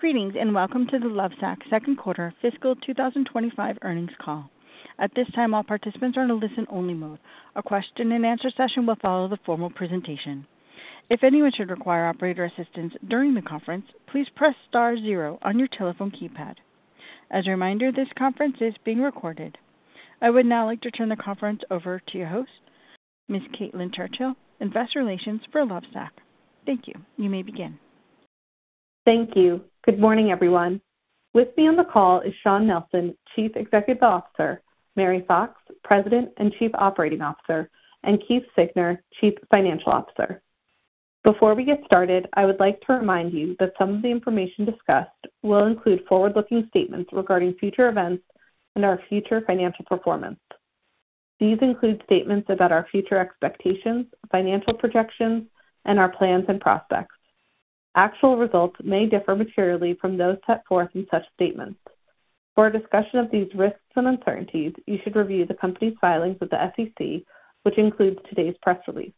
...Greetings, and welcome to the Lovesac Second Quarter Fiscal 2025 Earnings Call. At this time, all participants are in a listen-only mode. A question and answer session will follow the formal presentation. If anyone should require operator assistance during the conference, please press star zero on your telephone keypad. As a reminder, this conference is being recorded. I would now like to turn the conference over to your host, Ms. Caitlin Churchill, Investor Relations for Lovesac. Thank you. You may begin. Thank you. Good morning, everyone. With me on the call is Shawn Nelson, Chief Executive Officer, Mary Fox, President and Chief Operating Officer, and Keith Siegner, Chief Financial Officer. Before we get started, I would like to remind you that some of the information discussed will include forward-looking statements regarding future events and our future financial performance. These include statements about our future expectations, financial projections, and our plans and prospects. Actual results may differ materially from those set forth in such statements. For a discussion of these risks and uncertainties, you should review the company's filings with the SEC, which includes today's press release.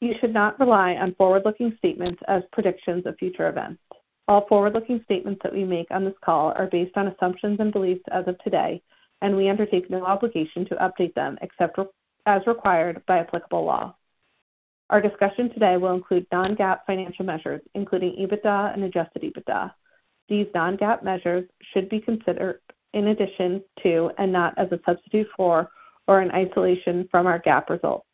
You should not rely on forward-looking statements as predictions of future events. All forward-looking statements that we make on this call are based on assumptions and beliefs as of today, and we undertake no obligation to update them, except as required by applicable law. Our discussion today will include non-GAAP financial measures, including EBITDA and Adjusted EBITDA. These non-GAAP measures should be considered in addition to, and not as a substitute for or in isolation from, our GAAP results.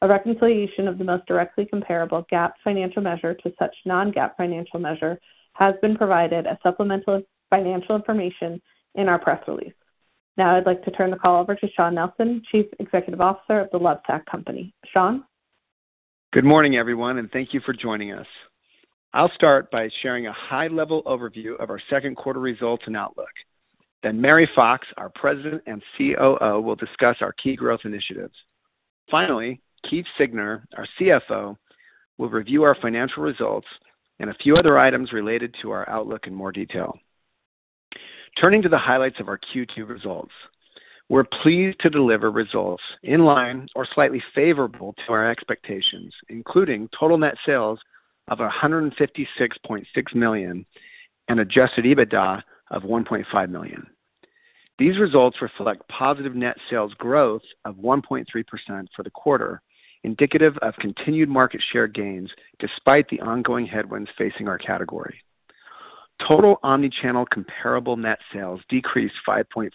A reconciliation of the most directly comparable GAAP financial measure to such non-GAAP financial measure has been provided as supplemental financial information in our press release. Now, I'd like to turn the call over to Shawn Nelson, Chief Executive Officer of the Lovesac Company. Shawn? Good morning, everyone, and thank you for joining us. I'll start by sharing a high-level overview of our second quarter results and outlook. Then Mary Fox, our President and COO, will discuss our key growth initiatives. Finally, Keith Siegner, our CFO, will review our financial results and a few other items related to our outlook in more detail. Turning to the highlights of our Q2 results, we're pleased to deliver results in line or slightly favorable to our expectations, including total net sales of $156.6 million and Adjusted EBITDA of $1.5 million. These results reflect positive net sales growth of 1.3% for the quarter, indicative of continued market share gains despite the ongoing headwinds facing our category. Total omni-channel comparable net sales decreased 5.4%,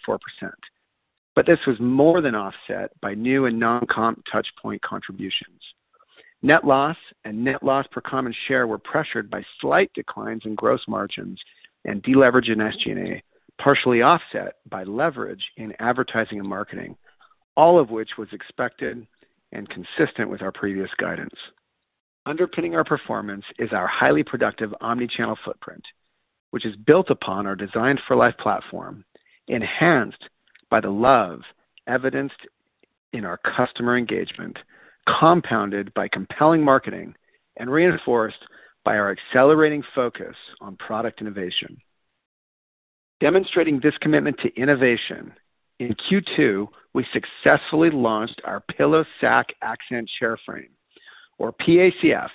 but this was more than offset by new and non-comp touchpoint contributions. Net loss and net loss per common share were pressured by slight declines in gross margins and deleverage in SG&A, partially offset by leverage in advertising and marketing, all of which was expected and consistent with our previous guidance. Underpinning our performance is our highly productive omnichannel footprint, which is built upon our Designed for Life platform, enhanced by the love evidenced in our customer engagement, compounded by compelling marketing, and reinforced by our accelerating focus on product innovation. Demonstrating this commitment to innovation, in Q2, we successfully launched our PillowSac Accent Chair Frame, or PACF,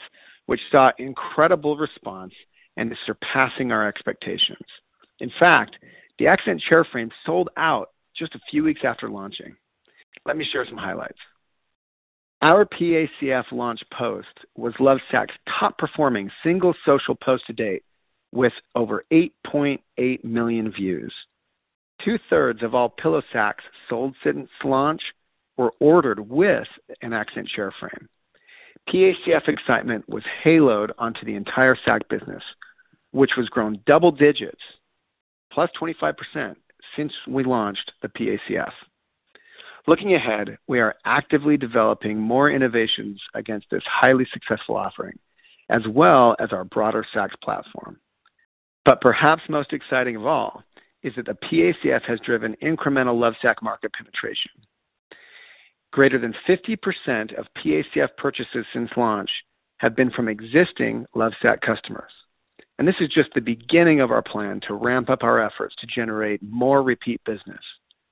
which saw incredible response and is surpassing our expectations. In fact, the Accent Chair Frame sold out just a few weeks after launching. Let me share some highlights. Our PACF launch post was Lovesac's top-performing single social post to date, with over 8.8 million views. Two-thirds of all PillowSacs sold since launch were ordered with an Accent Chair Frame. PACF excitement was haloed onto the entire Sac business, which has grown double digits, +25%, since we launched the PACF. Looking ahead, we are actively developing more innovations against this highly successful offering, as well as our broader Sacs platform. But perhaps most exciting of all is that the PACF has driven incremental Lovesac market penetration. Greater than 50% of PACF purchases since launch have been from existing Lovesac customers, and this is just the beginning of our plan to ramp up our efforts to generate more repeat business,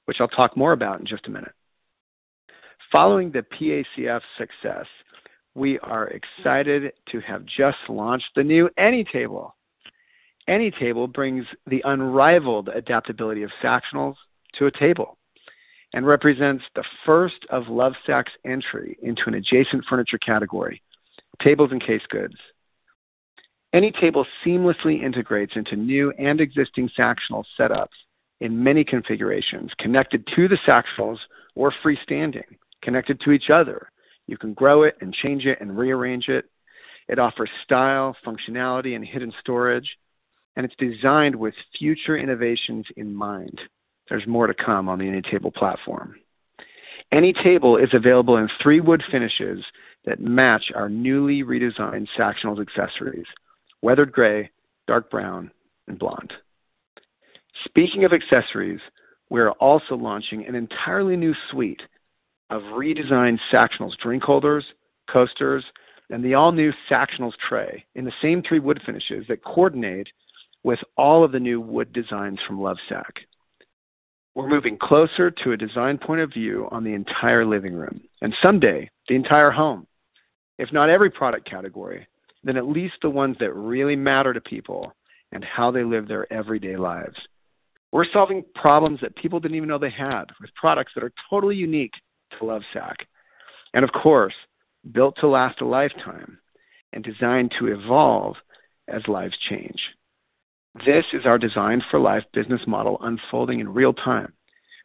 which I'll talk more about in just a minute. Following the PACF success, we are excited to have just launched the new AnyTable. AnyTable brings the unrivaled adaptability of Sactionals to a table and represents the first of Lovesac's entry into an adjacent furniture category, tables and case goods. AnyTable seamlessly integrates into new and existing Sactionals setups in many configurations, connected to the Sactionals or freestanding, connected to each other. You can grow it and change it and rearrange it. It offers style, functionality, and hidden storage, and it's designed with future innovations in mind. There's more to come on the AnyTable platform. AnyTable is available in three wood finishes that match our newly redesigned Sactionals accessories: Weathered Gray, Dark Brown, and Blonde. Speaking of accessories, we are also launching an entirely new suite of redesigned Sactionals Drink Holders, coasters, and the all-new Sactionals Tray in the same three wood finishes that coordinate with all of the new wood designs from Lovesac. We're moving closer to a design point of view on the entire living room, and someday, the entire home. If not every product category, then at least the ones that really matter to people and how they live their everyday lives. We're solving problems that people didn't even know they had, with products that are totally unique to Lovesac, and of course, built to last a lifetime and designed to evolve as lives change. This is our Designed for Life business model unfolding in real time,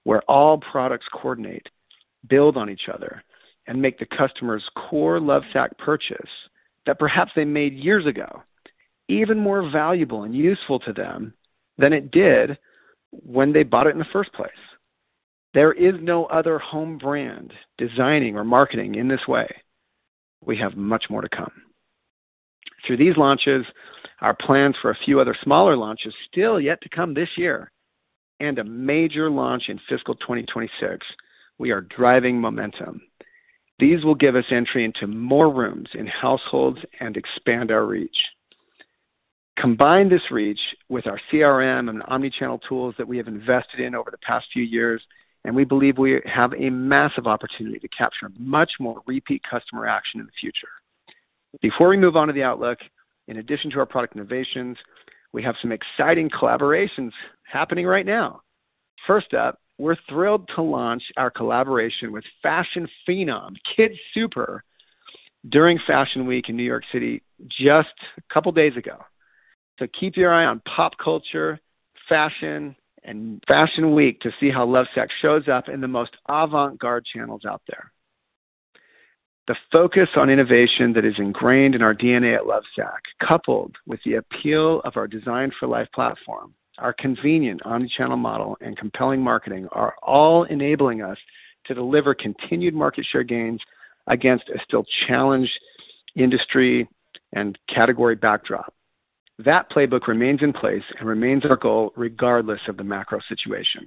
where all products coordinate, build on each other, and make the customer's core Lovesac purchase, that perhaps they made years ago, even more valuable and useful to them than it did when they bought it in the first place. There is no other home brand designing or marketing in this way. We have much more to come. Through these launches, our plans for a few other smaller launches still yet to come this year, and a major launch in fiscal 2026, we are driving momentum. These will give us entry into more rooms in households and expand our reach. Combine this reach with our CRM and omni-channel tools that we have invested in over the past few years, and we believe we have a massive opportunity to capture much more repeat customer action in the future. Before we move on to the outlook, in addition to our product innovations, we have some exciting collaborations happening right now. First up, we're thrilled to launch our collaboration with fashion phenom, KidSuper, during Fashion Week in New York City just a couple days ago. So keep your eye on pop culture, fashion, and Fashion Week to see how Lovesac shows up in the most avant-garde channels out there. The focus on innovation that is ingrained in our DNA at Lovesac, coupled with the appeal of our Designed for Life platform, our convenient omnichannel model, and compelling marketing, are all enabling us to deliver continued market share gains against a still challenged industry and category backdrop. That playbook remains in place and remains our goal, regardless of the macro situation.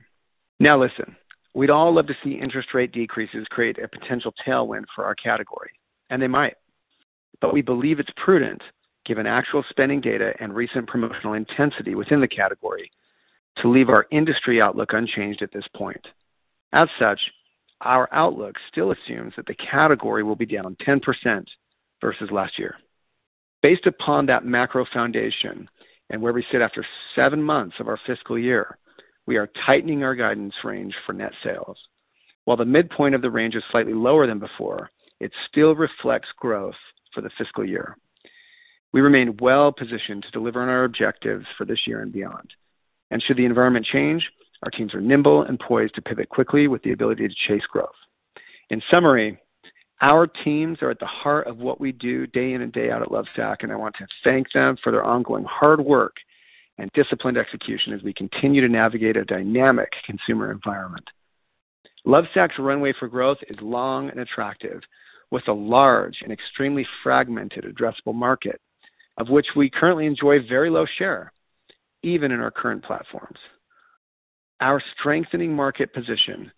Now, listen, we'd all love to see interest rate decreases create a potential tailwind for our category, and they might. But we believe it's prudent, given actual spending data and recent promotional intensity within the category, to leave our industry outlook unchanged at this point. As such, our outlook still assumes that the category will be down 10% versus last year. Based upon that macro foundation and where we sit after seven months of our fiscal year, we are tightening our guidance range for net sales. While the midpoint of the range is slightly lower than before, it still reflects growth for the fiscal year. We remain well positioned to deliver on our objectives for this year and beyond. And should the environment change, our teams are nimble and poised to pivot quickly with the ability to chase growth. In summary, our teams are at the heart of what we do day in and day out at Lovesac, and I want to thank them for their ongoing hard work and disciplined execution as we continue to navigate a dynamic consumer environment. Lovesac's runway for growth is long and attractive, with a large and extremely fragmented addressable market, of which we currently enjoy very low share, even in our current platforms. Our strengthening market position,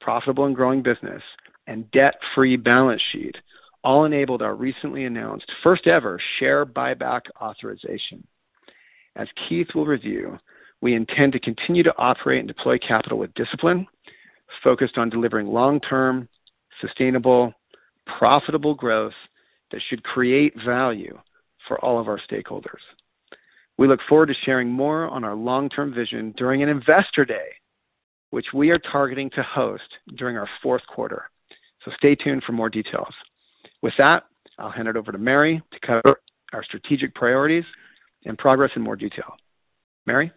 profitable and growing business, and debt-free balance sheet, all enabled our recently announced first-ever share buyback authorization. As Keith will review, we intend to continue to operate and deploy capital with discipline, focused on delivering long-term, sustainable, profitable growth that should create value for all of our stakeholders. We look forward to sharing more on our long-term vision during an Investor Day, which we are targeting to host during our fourth quarter. So stay tuned for more details. With that, I'll hand it over to Mary to cover our strategic priorities and progress in more detail. Mary?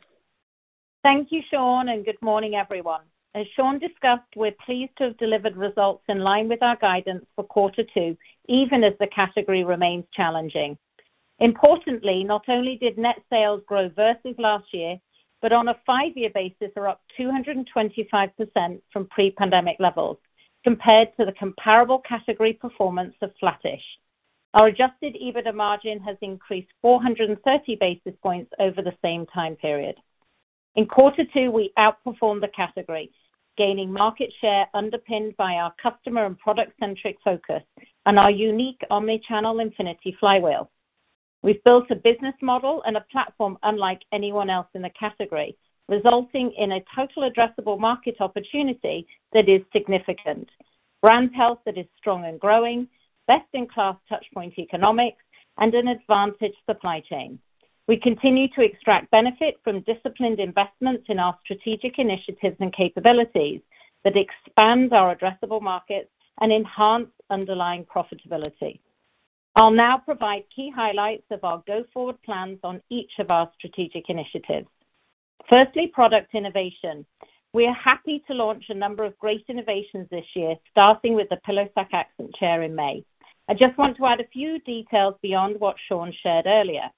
Thank you, Shawn, and good morning, everyone. As Shawn discussed, we're pleased to have delivered results in line with our guidance for quarter two, even as the category remains challenging. Importantly, not only did net sales grow versus last year, but on a five-year basis, they're up 225% from pre-pandemic levels, compared to the comparable category performance of flattish. Our Adjusted EBITDA margin has increased 430 basis points over the same time period. In quarter two, we outperformed the category, gaining market share underpinned by our customer and product-centric focus and our unique omni-channel infinity flywheel. We've built a business model and a platform unlike anyone else in the category, resulting in a total addressable market opportunity that is significant. Brand health that is strong and growing, best-in-class touchpoint economics, and an advantaged supply chain. We continue to extract benefit from disciplined investments in our strategic initiatives and capabilities that expand our addressable markets and enhance underlying profitability. I'll now provide key highlights of our go-forward plans on each of our strategic initiatives. Firstly, product innovation. We are happy to launch a number of great innovations this year, starting with the PillowSac Accent Chair in May. I just want to add a few details beyond what Shawn shared earlier.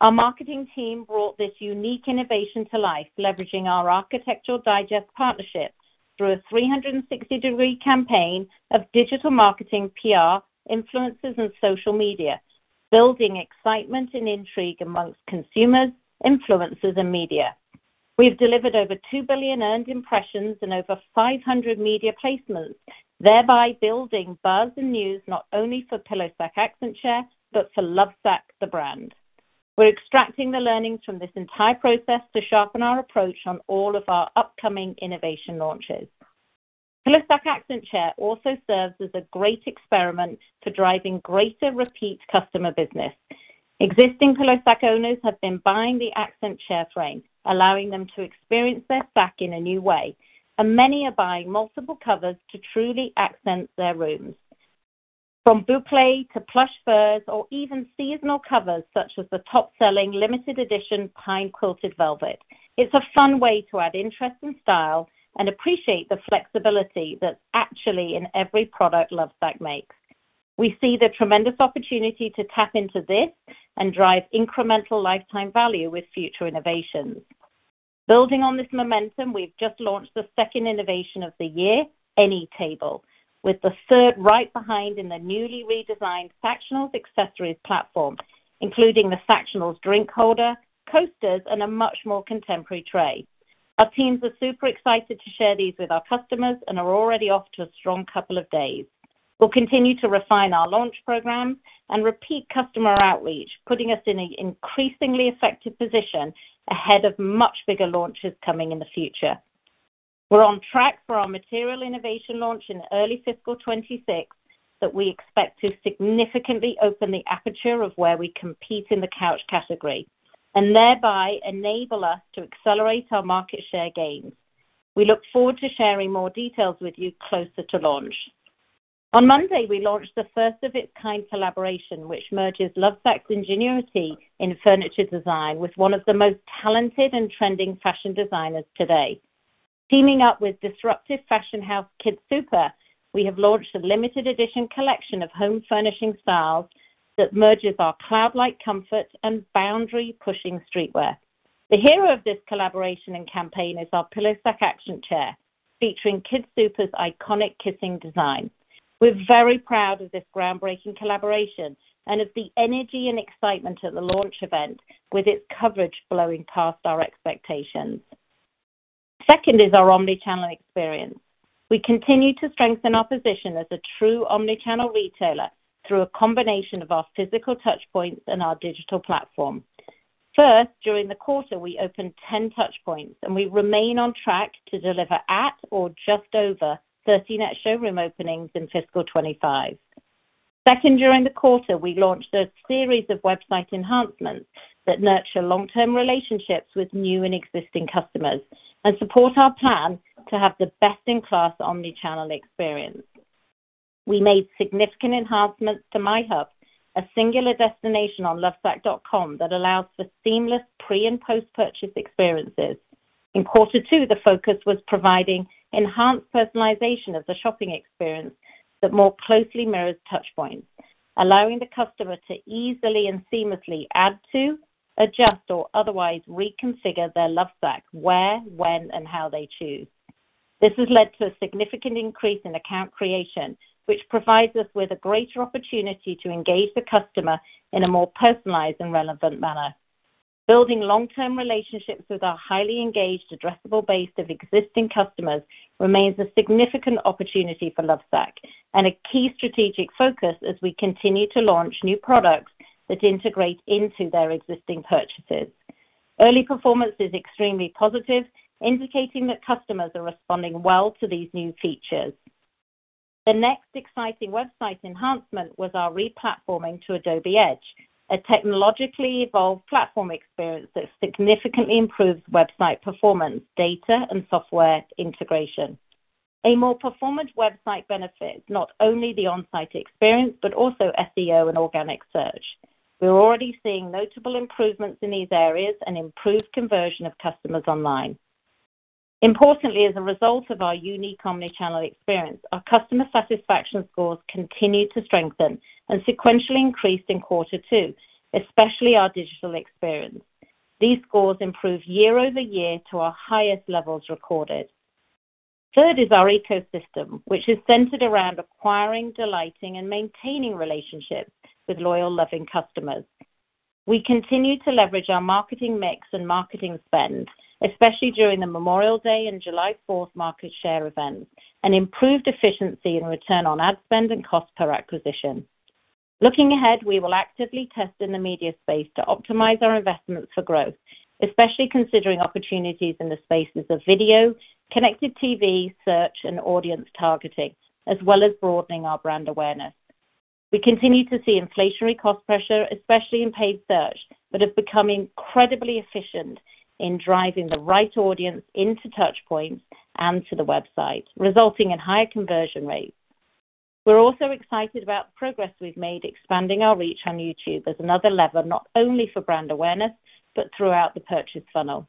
Our marketing team brought this unique innovation to life, leveraging our Architectural Digest partnerships through a 360-degree campaign of digital marketing, PR, influencers, and social media, building excitement and intrigue among consumers, influencers, and media. We've delivered over two billion earned impressions and over 500 media placements, thereby building buzz and news, not only for PillowSac Accent Chair, but for Lovesac, the brand. We're extracting the learnings from this entire process to sharpen our approach on all of our upcoming innovation launches. PillowSac Accent Chair also serves as a great experiment for driving greater repeat customer business. Existing PillowSac owners have been buying the Accent Chair Frame, allowing them to experience their Sac in a new way, and many are buying multiple covers to truly accent their rooms. From bouclé to plush furs or even seasonal covers, such as the top-selling limited edition Pine Quilted Velvet. It's a fun way to add interest and style and appreciate the flexibility that's actually in every product Lovesac makes. We see the tremendous opportunity to tap into this and drive incremental lifetime value with future innovations. Building on this momentum, we've just launched the second innovation of the year, AnyTable, with the third right behind in the newly redesigned Sactionals accessories platform, including the Sactionals Drink Holder, coasters, and a much more contemporary tray. Our teams are super excited to share these with our customers and are already off to a strong couple of days. We'll continue to refine our launch program and repeat customer outreach, putting us in an increasingly effective position ahead of much bigger launches coming in the future. We're on track for our material innovation launch in early fiscal 2026, that we expect to significantly open the aperture of where we compete in the couch category, and thereby enable us to accelerate our market share gains. We look forward to sharing more details with you closer to launch. On Monday, we launched the first of its kind collaboration, which merges Lovesac's ingenuity in furniture design with one of the most talented and trending fashion designers today. Teaming up with disruptive fashion house, KidSuper, we have launched a limited edition collection of home furnishing styles that merges our cloud-like comfort and boundary-pushing streetwear. The hero of this collaboration and campaign is our PillowSac Accent Chair, featuring KidSuper's iconic Kissing design. We're very proud of this groundbreaking collaboration and of the energy and excitement at the launch event, with its coverage blowing past our expectations. Second is our omnichannel experience. We continue to strengthen our position as a true omnichannel retailer through a combination of our physical touch points and our digital platform. First, during the quarter, we opened ten touch points, and we remain on track to deliver at or just over thirty net showroom openings in fiscal 2025. Second, during the quarter, we launched a series of website enhancements that nurture long-term relationships with new and existing customers and support our plan to have the best-in-class omnichannel experience. We made significant enhancements to MyHub, a singular destination on lovesac.com that allows for seamless pre- and post-purchase experiences. In quarter two, the focus was providing enhanced personalization of the shopping experience that more closely mirrors touch points, allowing the customer to easily and seamlessly add to, adjust, or otherwise reconfigure their Lovesac where, when, and how they choose. This has led to a significant increase in account creation, which provides us with a greater opportunity to engage the customer in a more personalized and relevant manner. Building long-term relationships with our highly engaged, addressable base of existing customers remains a significant opportunity for Lovesac and a key strategic focus as we continue to launch new products that integrate into their existing purchases. Early performance is extremely positive, indicating that customers are responding well to these new features. The next exciting website enhancement was our replatforming to Adobe Edge, a technologically evolved platform experience that significantly improves website performance, data, and software integration. A more performant website benefits not only the on-site experience, but also SEO and organic search. We're already seeing notable improvements in these areas and improved conversion of customers online. Importantly, as a result of our unique omnichannel experience, our customer satisfaction scores continue to strengthen and sequentially increased in quarter two, especially our digital experience. These scores improve year over year to our highest levels recorded. Third is our ecosystem, which is centered around acquiring, delighting, and maintaining relationships with loyal, loving customers. We continue to leverage our marketing mix and marketing spend, especially during the Memorial Day and July Fourth market share events, and improved efficiency in return on ad spend and cost per acquisition. Looking ahead, we will actively test in the media space to optimize our investments for growth, especially considering opportunities in the spaces of video, connected TV, search, and audience targeting, as well as broadening our brand awareness. We continue to see inflationary cost pressure, especially in paid search, but have become incredibly efficient in driving the right audience into touch points and to the website, resulting in higher conversion rates. We're also excited about the progress we've made, expanding our reach on YouTube as another lever, not only for brand awareness, but throughout the purchase funnel.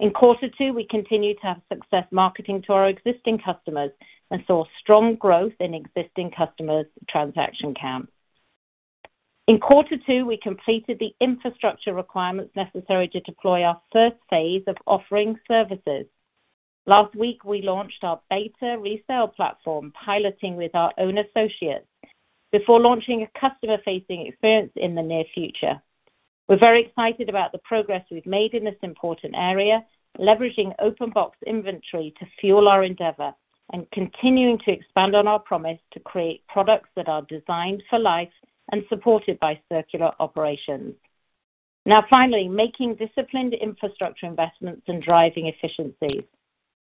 In quarter two, we continued to have success marketing to our existing customers and saw strong growth in existing customers' transaction count. In quarter two, we completed the infrastructure requirements necessary to deploy our first phase of offering services. Last week, we launched our beta resale platform, piloting with our own associates, before launching a customer-facing experience in the near future. We're very excited about the progress we've made in this important area, leveraging open box inventory to fuel our endeavor and continuing to expand on our promise to create products that are Designed for Life and supported by circular operations. Now, finally, making disciplined infrastructure investments and driving efficiencies.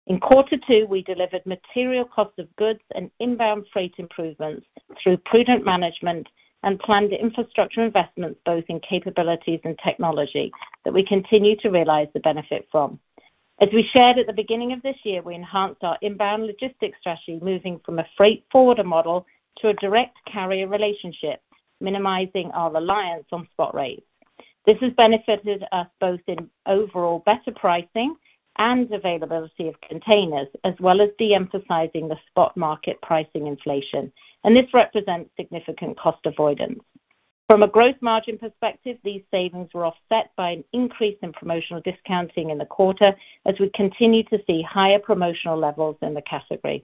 In quarter two, we delivered material cost of goods and inbound freight improvements through prudent management and planned infrastructure investments, both in capabilities and technology, that we continue to realize the benefit from. As we shared at the beginning of this year, we enhanced our inbound logistics strategy, moving from a freight forwarder model to a direct carrier relationship, minimizing our reliance on spot rates. This has benefited us both in overall better pricing and availability of containers, as well as de-emphasizing the spot market pricing inflation, and this represents significant cost avoidance. From a gross margin perspective, these savings were offset by an increase in promotional discounting in the quarter as we continue to see higher promotional levels in the category.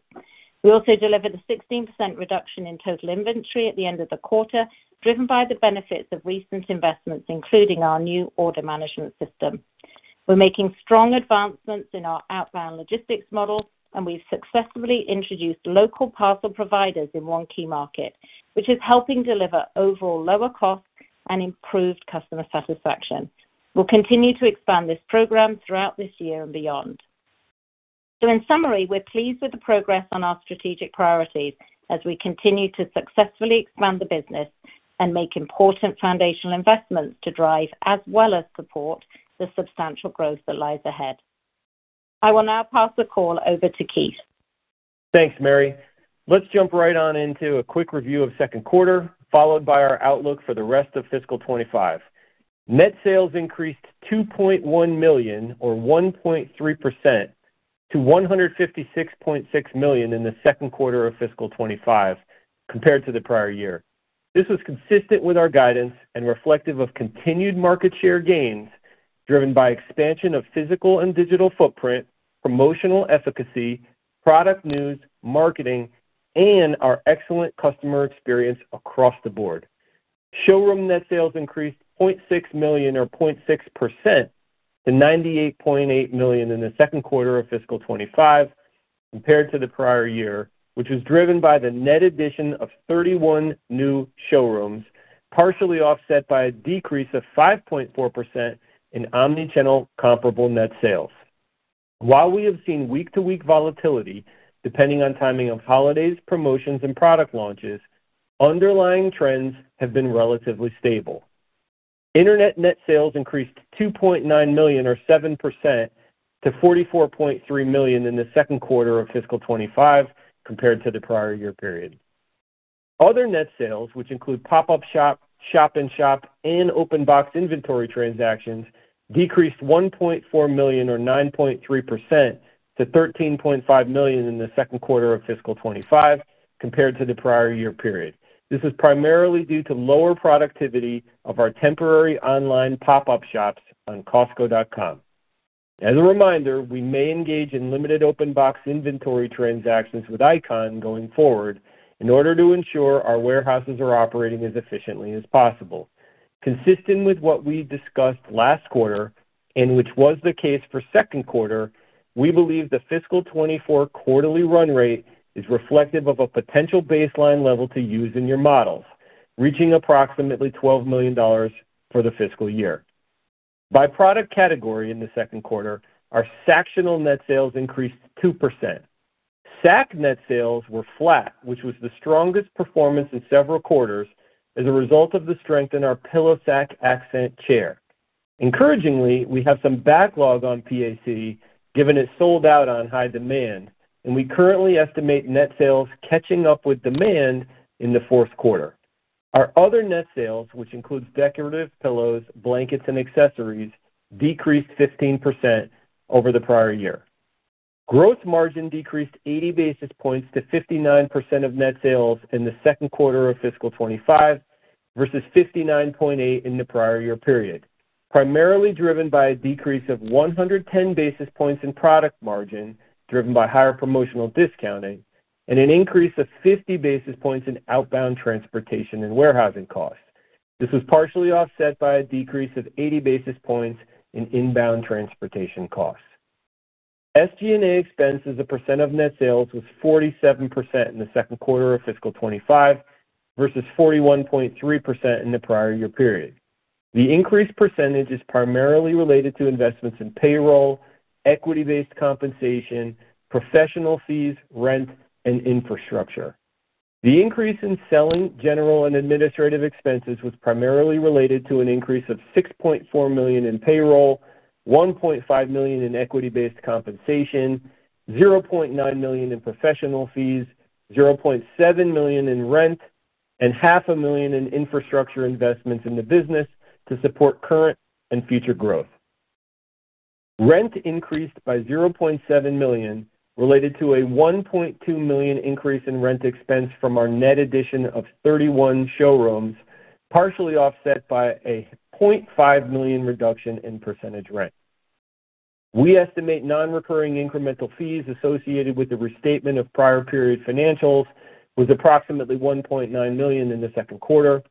We also delivered a 16% reduction in total inventory at the end of the quarter, driven by the benefits of recent investments, including our new order management system. We're making strong advancements in our outbound logistics model, and we've successfully introduced local parcel providers in one key market, which is helping deliver overall lower costs and improved customer satisfaction. We'll continue to expand this program throughout this year and beyond. So in summary, we're pleased with the progress on our strategic priorities as we continue to successfully expand the business and make important foundational investments to drive, as well as support, the substantial growth that lies ahead. I will now pass the call over to Keith. Thanks, Mary. Let's jump right on into a quick review of second quarter, followed by our outlook for the rest of fiscal 2025. Net sales increased $2.1 million, or 1.3%, to $156.6 million in the second quarter of fiscal 2025 compared to the prior year. This was consistent with our guidance and reflective of continued market share gains, driven by expansion of physical and digital footprint, promotional efficacy, product news, marketing, and our excellent customer experience across the board. Showroom net sales increased $0.6 million or 0.6% to $98.8 million in the second quarter of fiscal 2025 compared to the prior year, which was driven by the net addition of 31 new showrooms, partially offset by a decrease of 5.4% in omnichannel comparable net sales. While we have seen week-to-week volatility, depending on timing of holidays, promotions, and product launches, underlying trends have been relatively stable. Internet net sales increased $2.9 million or 7% to $44.3 million in the second quarter of fiscal 2025 compared to the prior year period. Other net sales, which include pop-up shop, shop-in-shop, and open box inventory transactions, decreased $1.4 million or 9.3% to $13.5 million in the second quarter of fiscal 2025 compared to the prior year period. This is primarily due to lower productivity of our temporary online pop-up shops on Costco.com. As a reminder, we may engage in limited open box inventory transactions with ICON going forward in order to ensure our warehouses are operating as efficiently as possible. Consistent with what we discussed last quarter, and which was the case for second quarter, we believe the fiscal 2024 quarterly run rate is reflective of a potential baseline level to use in your models, reaching approximately $12 million for the fiscal year. By product category in the second quarter, our Sactional net sales increased 2%. Sac net sales were flat, which was the strongest performance in several quarters as a result of the strength in our PillowSac Accent Chair. Encouragingly, we have some backlog on PAC, given it's sold out on high demand, and we currently estimate net sales catching up with demand in the fourth quarter. Our other net sales, which includes decorative pillows, blankets, and accessories, decreased 15% over the prior year. Gross margin decreased eighty basis points to 59% of net sales in the second quarter of fiscal 2025 versus 59.8% in the prior year period, primarily driven by a decrease of one hundred and ten basis points in product margin, driven by higher promotional discounting and an increase of fifty basis points in outbound transportation and warehousing costs. This was partially offset by a decrease of eighty basis points in inbound transportation costs. SG&A expense as a percent of net sales was 47% in the second quarter of fiscal 2025 versus 41.3% in the prior year period. The increased percentage is primarily related to investments in payroll, equity-based compensation, professional fees, rent, and infrastructure. The increase in selling, general, and administrative expenses was primarily related to an increase of $6.4 million in payroll, $1.5 million in equity-based compensation, $0.9 million in professional fees, $0.7 million in rent, and $500,000 in infrastructure investments in the business to support current and future growth. Rent increased by $0.7 million, related to a $1.2 million increase in rent expense from our net addition of 31 showrooms, partially offset by a $0.5 million reduction in percentage rent. We estimate non-recurring incremental fees associated with the restatement of prior period financials was approximately $1.9 million in the second quarter.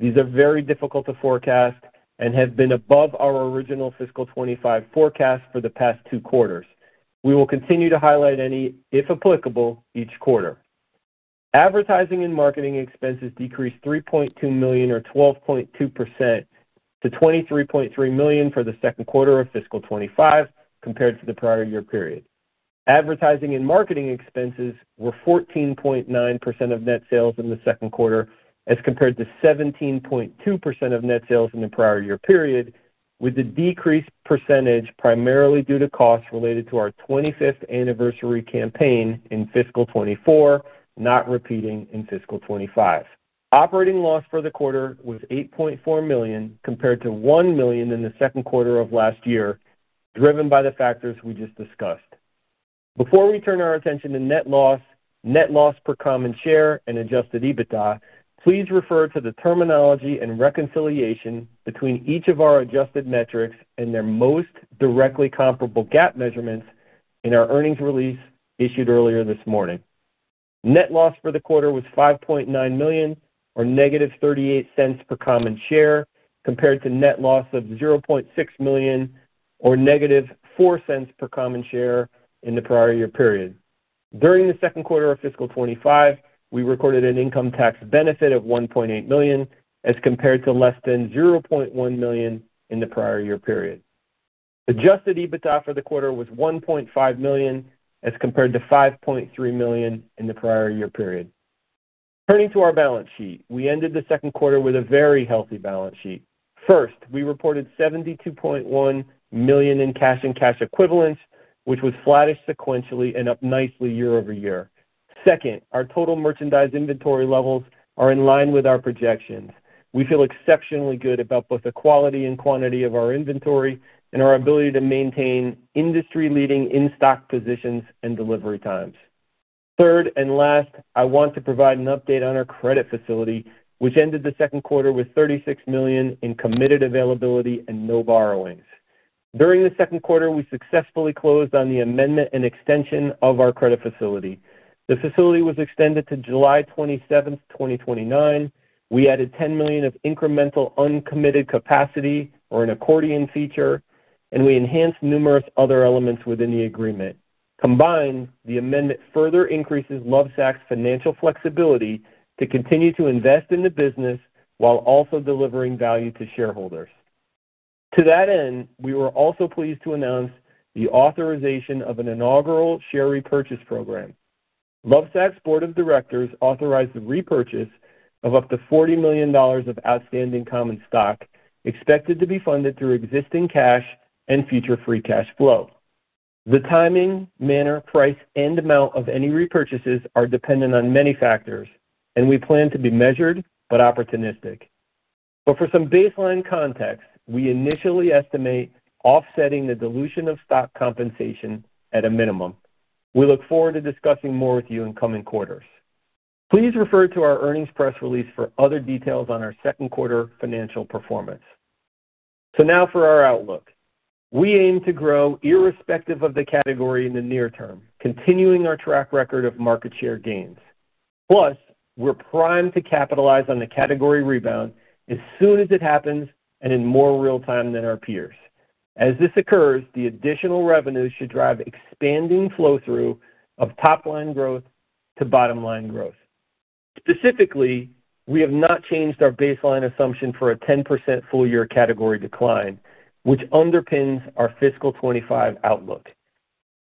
These are very difficult to forecast and have been above our original fiscal 2025 forecast for the past two quarters. We will continue to highlight any, if applicable, each quarter. Advertising and marketing expenses decreased $3.2 million, or 12.2%, to $23.3 million for the second quarter of fiscal 2025, compared to the prior year period. Advertising and marketing expenses were 14.9% of net sales in the second quarter, as compared to 17.2% of net sales in the prior year period, with the decreased percentage primarily due to costs related to our 25th anniversary campaign in fiscal 2024, not repeating in fiscal 2025. Operating loss for the quarter was $8.4 million, compared to $1 million in the second quarter of last year, driven by the factors we just discussed. Before we turn our attention to net loss, net loss per common share, and adjusted EBITDA, please refer to the terminology and reconciliation between each of our adjusted metrics and their most directly comparable GAAP measurements in our earnings release issued earlier this morning. Net loss for the quarter was $5.9 million, or negative $0.38 per common share, compared to net loss of $0.6 million, or negative $0.04 per common share in the prior year period. During the second quarter of fiscal 2025, we recorded an income tax benefit of $1.8 million, as compared to less than $0.1 million in the prior year period. Adjusted EBITDA for the quarter was $1.5 million, as compared to $5.3 million in the prior year period. Turning to our balance sheet. We ended the second quarter with a very healthy balance sheet. First, we reported $72.1 million in cash and cash equivalents, which was flattish sequentially and up nicely year over year. Second, our total merchandise inventory levels are in line with our projections. We feel exceptionally good about both the quality and quantity of our inventory and our ability to maintain industry-leading in-stock positions and delivery times. Third, and last, I want to provide an update on our credit facility, which ended the second quarter with $36 million in committed availability and no borrowings. During the second quarter, we successfully closed on the amendment and extension of our credit facility. The facility was extended to July 27, 2029. We added $10 million of incremental uncommitted capacity or an accordion feature, and we enhanced numerous other elements within the agreement. Combined, the amendment further increases Lovesac's financial flexibility to continue to invest in the business while also delivering value to shareholders. To that end, we were also pleased to announce the authorization of an inaugural share repurchase program. Lovesac's board of directors authorized the repurchase of up to $40 million of outstanding common stock, expected to be funded through existing cash and future free cash flow. The timing, manner, price, and amount of any repurchases are dependent on many factors, and we plan to be measured but opportunistic, but for some baseline context, we initially estimate offsetting the dilution of stock compensation at a minimum. We look forward to discussing more with you in coming quarters. Please refer to our earnings press release for other details on our second quarter financial performance, so now for our outlook. We aim to grow irrespective of the category in the near term, continuing our track record of market share gains. Plus, we're primed to capitalize on the category rebound as soon as it happens and in more real time than our peers. As this occurs, the additional revenues should drive expanding flow-through of top-line growth to bottom-line growth. Specifically, we have not changed our baseline assumption for a 10% full year category decline, which underpins our fiscal 2025 outlook.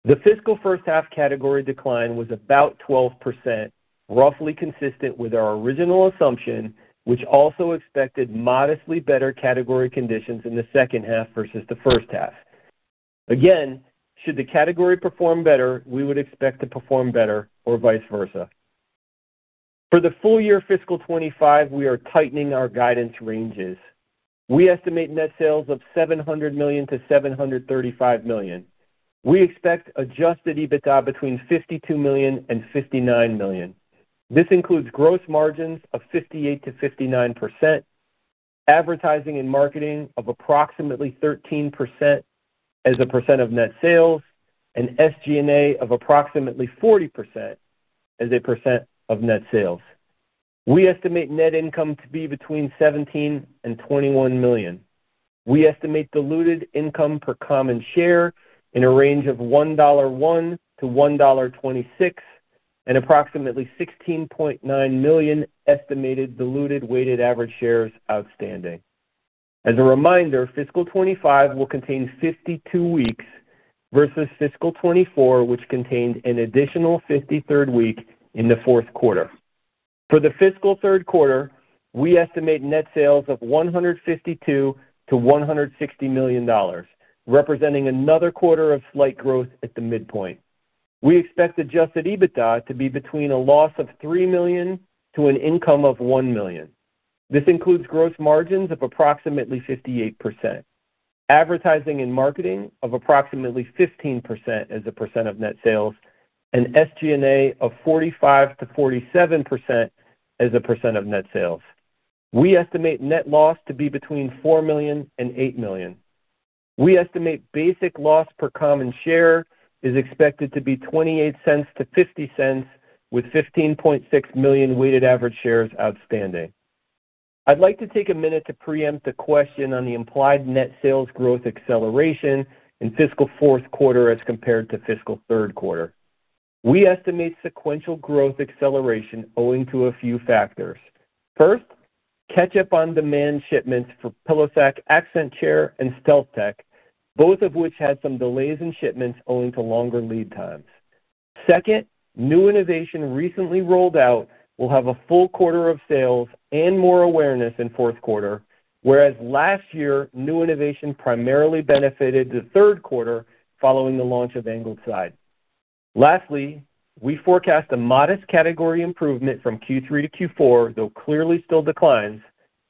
The fiscal first half category decline was about 12%, roughly consistent with our original assumption, which also expected modestly better category conditions in the second half versus the first half. Again, should the category perform better, we would expect to perform better or vice versa. For the full year fiscal 2025, we are tightening our guidance ranges. We estimate net sales of $700 million-$735 million. We expect Adjusted EBITDA between $52 million and $59 million. This includes gross margins of 58%-59%, advertising and marketing of approximately 13% as a percent of net sales, and SG&A of approximately 40% as a percent of net sales. We estimate net income to be between $17 million and $21 million. We estimate diluted income per common share in a range of $1.01-$1.26, and approximately 16.9 million estimated diluted weighted average shares outstanding. As a reminder, fiscal 2025 will contain 52 weeks, versus fiscal 2024, which contained an additional fifty-third week in the fourth quarter. For the fiscal third quarter, we estimate net sales of $152 million-$160 million, representing another quarter of slight growth at the midpoint. We expect Adjusted EBITDA to be between a loss of $3 million to an income of $1 million. This includes gross margins of approximately 58%, advertising and marketing of approximately 15% as a percent of net sales, and SG&A of 45%-47% as a percent of net sales. We estimate net loss to be between $4 million and $8 million. We estimate basic loss per common share is expected to be $0.28 to $0.50, with 15.6 million weighted average shares outstanding. I'd like to take a minute to preempt a question on the implied net sales growth acceleration in fiscal fourth quarter as compared to fiscal third quarter. We estimate sequential growth acceleration owing to a few factors. First, catch up on demand shipments for PillowSac, Accent Chair, and StealthTech, both of which had some delays in shipments owing to longer lead times. Second, new innovation recently rolled out will have a full quarter of sales and more awareness in fourth quarter, whereas last year, new innovation primarily benefited the third quarter following the launch of Angled Side. Lastly, we forecast a modest category improvement from Q3 to Q4, though clearly still declines,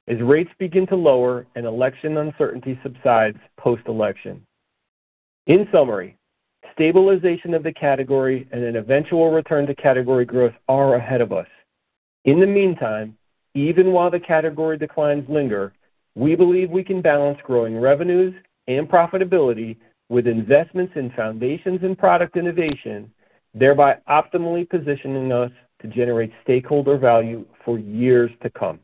as rates begin to lower and election uncertainty subsides post-election. In summary, stabilization of the category and an eventual return to category growth are ahead of us. In the meantime, even while the category declines linger, we believe we can balance growing revenues and profitability with investments in foundations and product innovation, thereby optimally positioning us to generate stakeholder value for years to come.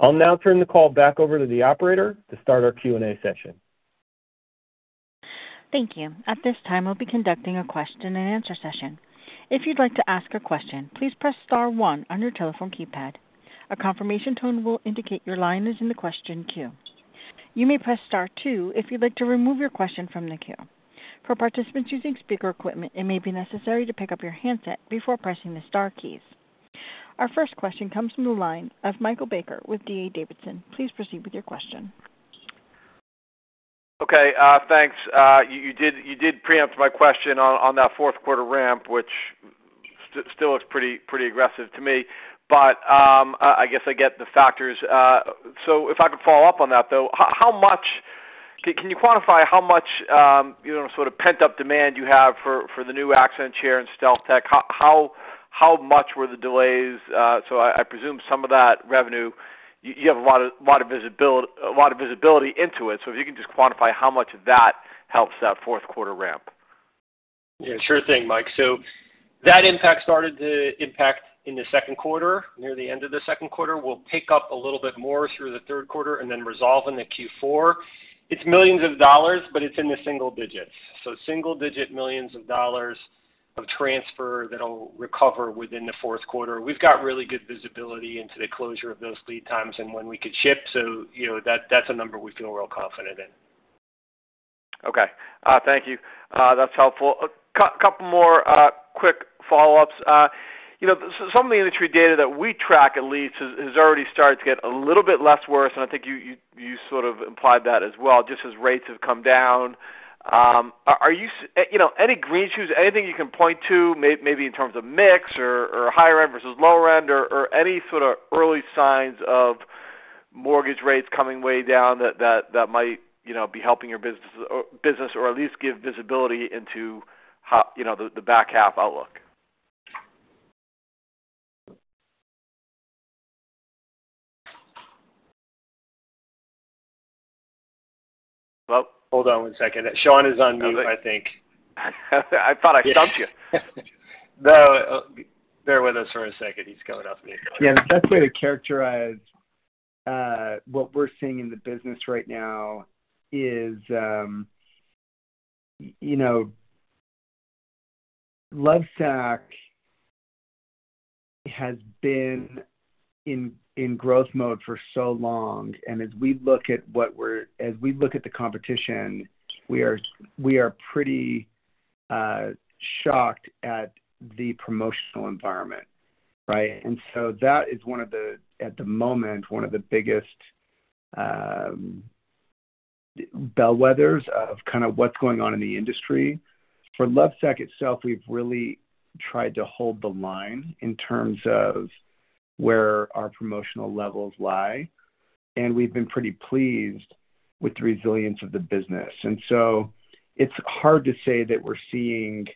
I'll now turn the call back over to the operator to start our Q&A session. Thank you. At this time, we'll be conducting a question-and-answer session. If you'd like to ask a question, please press star one on your telephone keypad. A confirmation tone will indicate your line is in the question queue. You may press star two if you'd like to remove your question from the queue. For participants using speaker equipment, it may be necessary to pick up your handset before pressing the star keys. Our first question comes from the line of Michael Baker with D.A. Davidson. Please proceed with your question. Okay, thanks. You did preempt my question on that fourth quarter ramp, which still looks pretty aggressive to me. But I guess I get the factors. So if I could follow up on that, though, how much can you quantify how much you know sort of pent-up demand you have for the new Accent chair and StealthTech? How much were the delays? So I presume some of that revenue, you have a lot of visibility into it. So if you can just quantify how much of that helps that fourth quarter ramp. Yeah, sure thing, Mike. So that impact started to impact in the second quarter, near the end of the second quarter, will pick up a little bit more through the third quarter and then resolve in the Q4. It's millions of dollars, but it's in the single digits. So single digit millions of dollars of transfer that'll recover within the fourth quarter. We've got really good visibility into the closure of those lead times and when we could ship, so you know, that, that's a number we feel real confident in. Okay, thank you. That's helpful. A couple more quick follow-ups. You know, some of the industry data that we track at least is already starting to get a little bit less worse, and I think you sort of implied that as well, just as rates have come down. You know, any green shoots, anything you can point to, maybe in terms of mix or higher end versus lower end, or any sort of early signs of mortgage rates coming way down that might, you know, be helping your business, or at least give visibility into how, you know, the back half outlook? Hold on one second. Shawn is on mute, I think. I thought I stumped you. No. Bear with us for a second. He's coming off mute. Yeah, the best way to characterize what we're seeing in the business right now is, you know, Lovesac has been in growth mode for so long, and as we look at the competition, we are pretty shocked at the promotional environment, right? That is one of the, at the moment, one of the biggest bellwethers of kind of what's going on in the industry. For Lovesac itself, we've really tried to hold the line in terms of where our promotional levels lie, and we've been pretty pleased with the resilience of the business. It's hard to say that we're seeing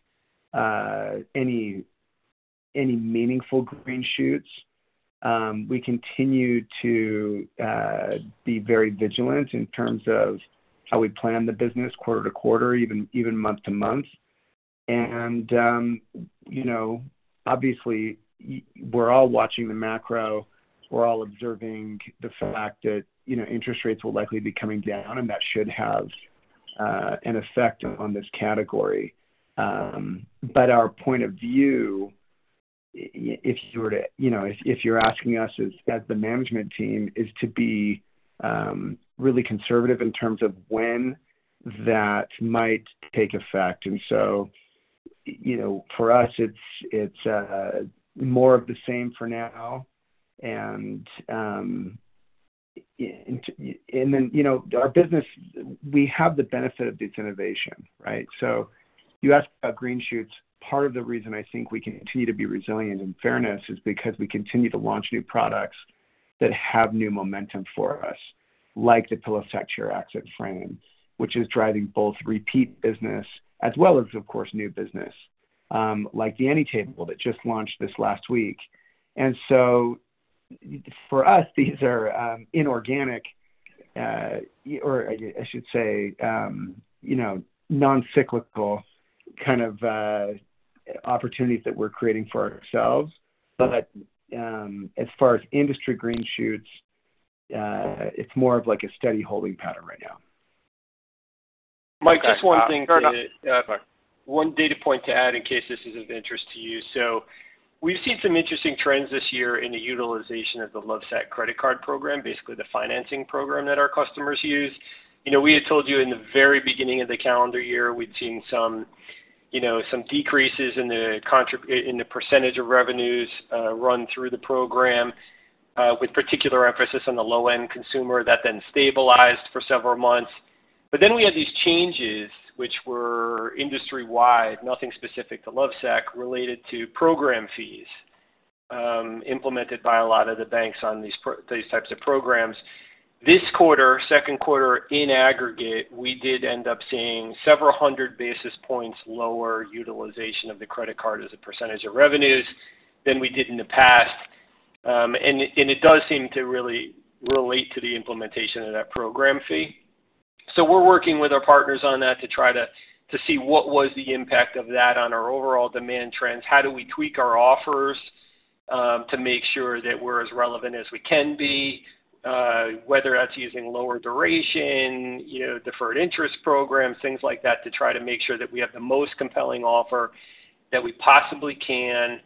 any meaningful green shoots. We continue to be very vigilant in terms of how we plan the business quarter to quarter, even month-to-month. And, you know, obviously, we're all watching the macro. We're all observing the fact that, you know, interest rates will likely be coming down, and that should have an effect on this category. But our point of view, if you were to, you know, if you're asking us as the management team, is to be really conservative in terms of when that might take effect. And so, you know, for us, it's more of the same for now. And then, you know, our business, we have the benefit of this innovation, right? So you ask about green shoots? Part of the reason I think we continue to be resilient, in fairness, is because we continue to launch new products that have new momentum for us, like the PillowSac Accent Chair Frame, which is driving both repeat business as well as, of course, new business, like the AnyTable that just launched this last week. And so for us, these are, or I should say, you know, non-cyclical kind of, opportunities that we're creating for ourselves. But, as far as industry green shoots, it's more of like a steady holding pattern right now. Mike, just one thing to- Fair enough. One data point to add in case this is of interest to you. So we've seen some interesting trends this year in the utilization of the Lovesac credit card program, basically the financing program that our customers use. You know, we had told you in the very beginning of the calendar year, we'd seen some, you know, some decreases in the percentage of revenues run through the program, with particular emphasis on the low-end consumer. That then stabilized for several months. But then we had these changes, which were industry-wide, nothing specific to Lovesac, related to program fees, implemented by a lot of the banks on these types of programs. This quarter, second quarter, in aggregate, we did end up seeing several hundred basis points lower utilization of the credit card as a percentage of revenues than we did in the past. And it does seem to really relate to the implementation of that program fee. So we're working with our partners on that to try to see what was the impact of that on our overall demand trends. How do we tweak our offers to make sure that we're as relevant as we can be, whether that's using lower duration, you know, deferred interest programs, things like that, to try to make sure that we have the most compelling offer that we possibly can,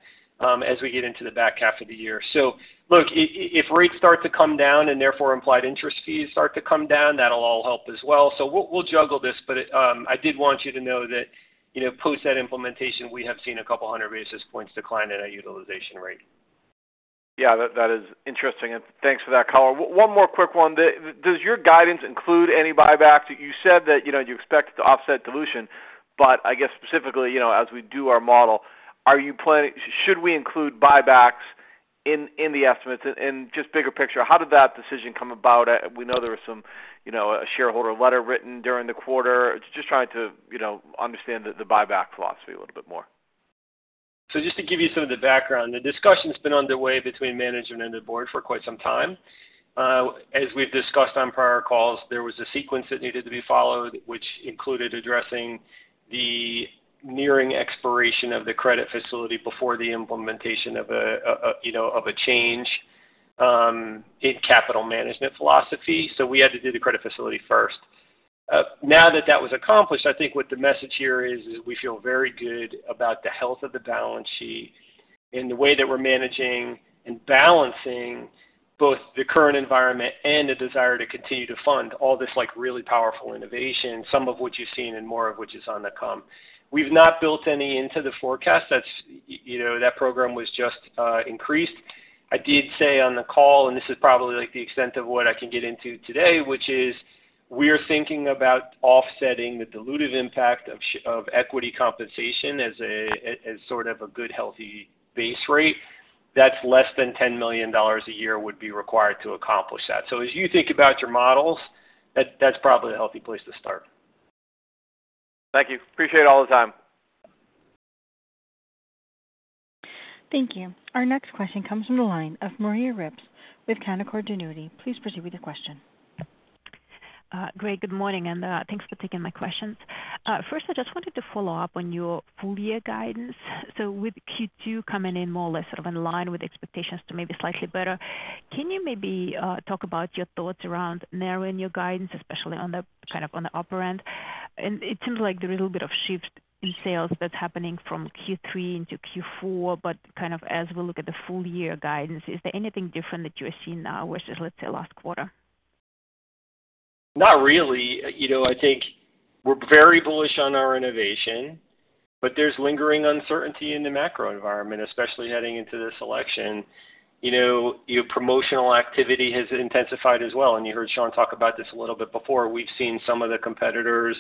as we get into the back half of the year. So look, if rates start to come down and therefore implied interest fees start to come down, that'll all help as well. So we'll juggle this, but I did want you to know that, you know, post that implementation, we have seen a couple hundred basis points decline in our utilization rate. Yeah, that is interesting, and thanks for that color. One more quick one. Does your guidance include any buybacks? You said that, you know, you expect to offset dilution, but I guess specifically, you know, as we do our model, are you planning? Should we include buybacks in the estimates? And just bigger picture, how did that decision come about? We know there was some, you know, a shareholder letter written during the quarter. Just trying to, you know, understand the buyback philosophy a little bit more. So just to give you some of the background, the discussion's been underway between management and the board for quite some time. As we've discussed on prior calls, there was a sequence that needed to be followed, which included addressing the nearing expiration of the credit facility before the implementation of a you know of a change in capital management philosophy, so we had to do the credit facility first. Now that that was accomplished, I think what the message here is we feel very good about the health of the balance sheet and the way that we're managing and balancing both the current environment and the desire to continue to fund all this, like, really powerful innovation, some of which you've seen and more of which is on the come. We've not built any into the forecast. That's, you know, that program was just increased. I did say on the call, and this is probably, like, the extent of what I can get into today, which is we're thinking about offsetting the dilutive impact of equity compensation as a sort of a good, healthy base rate. That's less than $10 million a year would be required to accomplish that. So as you think about your models, that's probably a healthy place to start. Thank you. Appreciate all the time. Thank you. Our next question comes from the line of Maria Ripps with Canaccord Genuity. Please proceed with your question. Great. Good morning, and thanks for taking my questions. First, I just wanted to follow up on your full year guidance. So with Q2 coming in more or less sort of in line with expectations to maybe slightly better, can you maybe talk about your thoughts around narrowing your guidance, especially on the, kind of on the upper end? And it seems like there's a little bit of shift in sales that's happening from Q3 into Q4, but kind of as we look at the full year guidance, is there anything different that you are seeing now versus, let's say, last quarter? Not really. You know, I think we're very bullish on our innovation, but there's lingering uncertainty in the macro environment, especially heading into this election. You know, your promotional activity has intensified as well, and you heard Shawn talk about this a little bit before. We've seen some of the competitors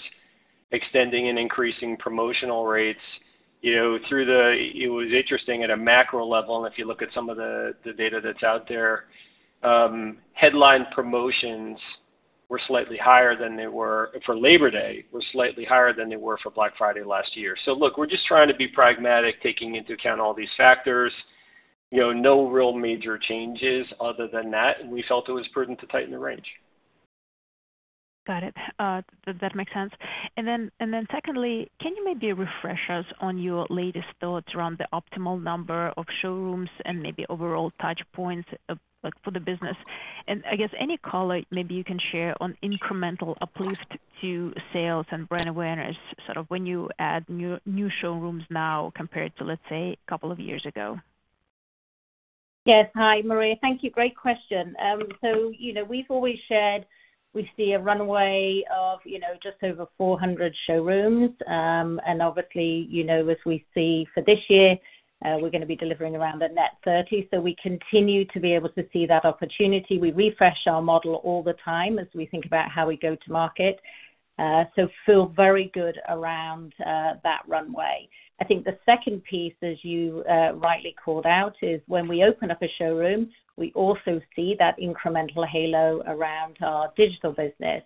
extending and increasing promotional rates, you know, through the... It was interesting at a macro level, and if you look at some of the data that's out there, headline promotions were slightly higher than they were for Labor Day, were slightly higher than they were for Black Friday last year. So look, we're just trying to be pragmatic, taking into account all these factors. You know, no real major changes other than that, and we felt it was prudent to tighten the range. Got it. That makes sense, and then secondly, can you maybe refresh us on your latest thoughts around the optimal number of showrooms and maybe overall touchpoints, like, for the business? And I guess any color maybe you can share on incremental uplift to sales and brand awareness, sort of when you add new showrooms now compared to, let's say, a couple of years ago. Yes. Hi, Maria. Thank you. Great question. So, you know, we've always said we see a runway of, you know, just over four hundred showrooms. And obviously, you know, as we see for this year, we're gonna be delivering around a net thirty, so we continue to be able to see that opportunity. We refresh our model all the time as we think about how we go to market, so feel very good around that runway. I think the second piece, as you rightly called out, is when we open up a showroom, we also see that incremental halo around our digital business.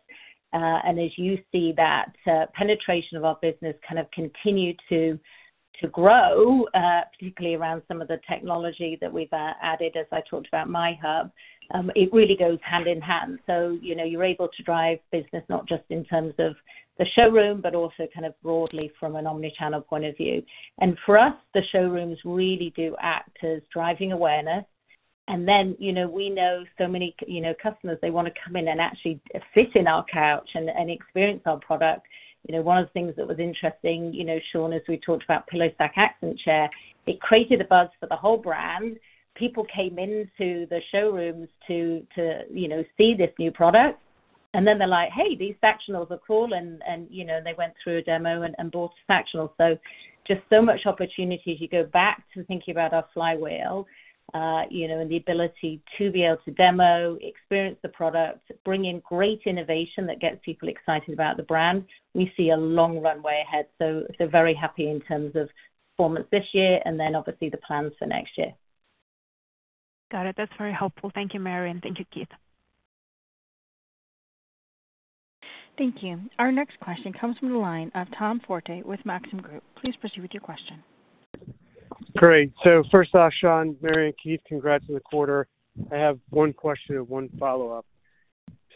And as you see that penetration of our business kind of continue to grow, particularly around some of the technology that we've added, as I talked about, My Hub, it really goes hand in hand. So, you know, you're able to drive business not just in terms of the showroom, but also kind of broadly from an omni-channel point of view. And for us, the showrooms really do act as driving awareness. And then, you know, we know so many, you know, customers. They want to come in and actually sit in our couch and experience our product. You know, one of the things that was interesting, you know, Shawn, as we talked about PillowSac Accent Chair, it created a buzz for the whole brand. People came into the showrooms to, you know, see this new product, and then they're like, "Hey, these Sactionals are cool." And, you know, they went through a demo and bought a Sactional. So just so much opportunity. If you go back to thinking about our flywheel, you know, and the ability to be able to demo, experience the product, bring in great innovation that gets people excited about the brand, we see a long runway ahead. So, so very happy in terms of performance this year and then obviously the plans for next year. Got it. That's very helpful. Thank you, Mary, and thank you, Keith. Thank you. Our next question comes from the line of Tom Forte with Maxim Group. Please proceed with your question. Great. So first off, Shawn, Mary, and Keith, congrats on the quarter. I have one question and one follow-up.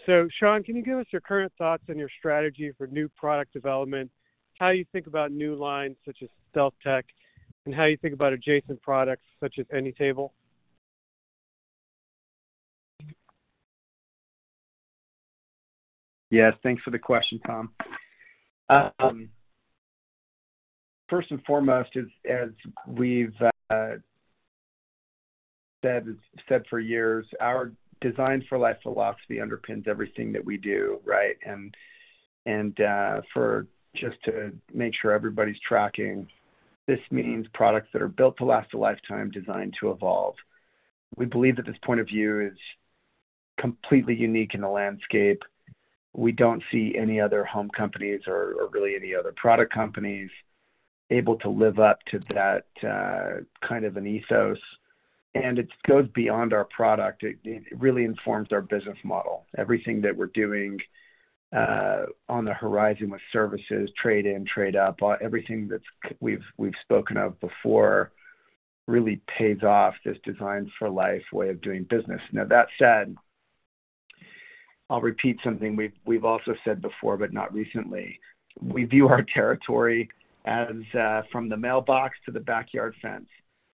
So Shawn, can you give us your current thoughts on your strategy for new product development, how you think about new lines such as StealthTech, and how you think about adjacent products such as AnyTable? Yes, thanks for the question, Tom. First and foremost, as we've said for years, our Designed for Life philosophy underpins everything that we do, right? Just to make sure everybody's tracking, this means products that are built to last a lifetime, designed to evolve. We believe that this point of view is completely unique in the landscape. We don't see any other home companies or really any other product companies able to live up to that kind of an ethos. And it goes beyond our product. It really informs our business model. Everything that we're doing on the horizon with services, trade-in, trade-up, everything that we've spoken of before, really pays off this Designed for Life way of doing business. Now, that said, I'll repeat something we've also said before, but not recently. We view our territory as, from the mailbox to the backyard fence,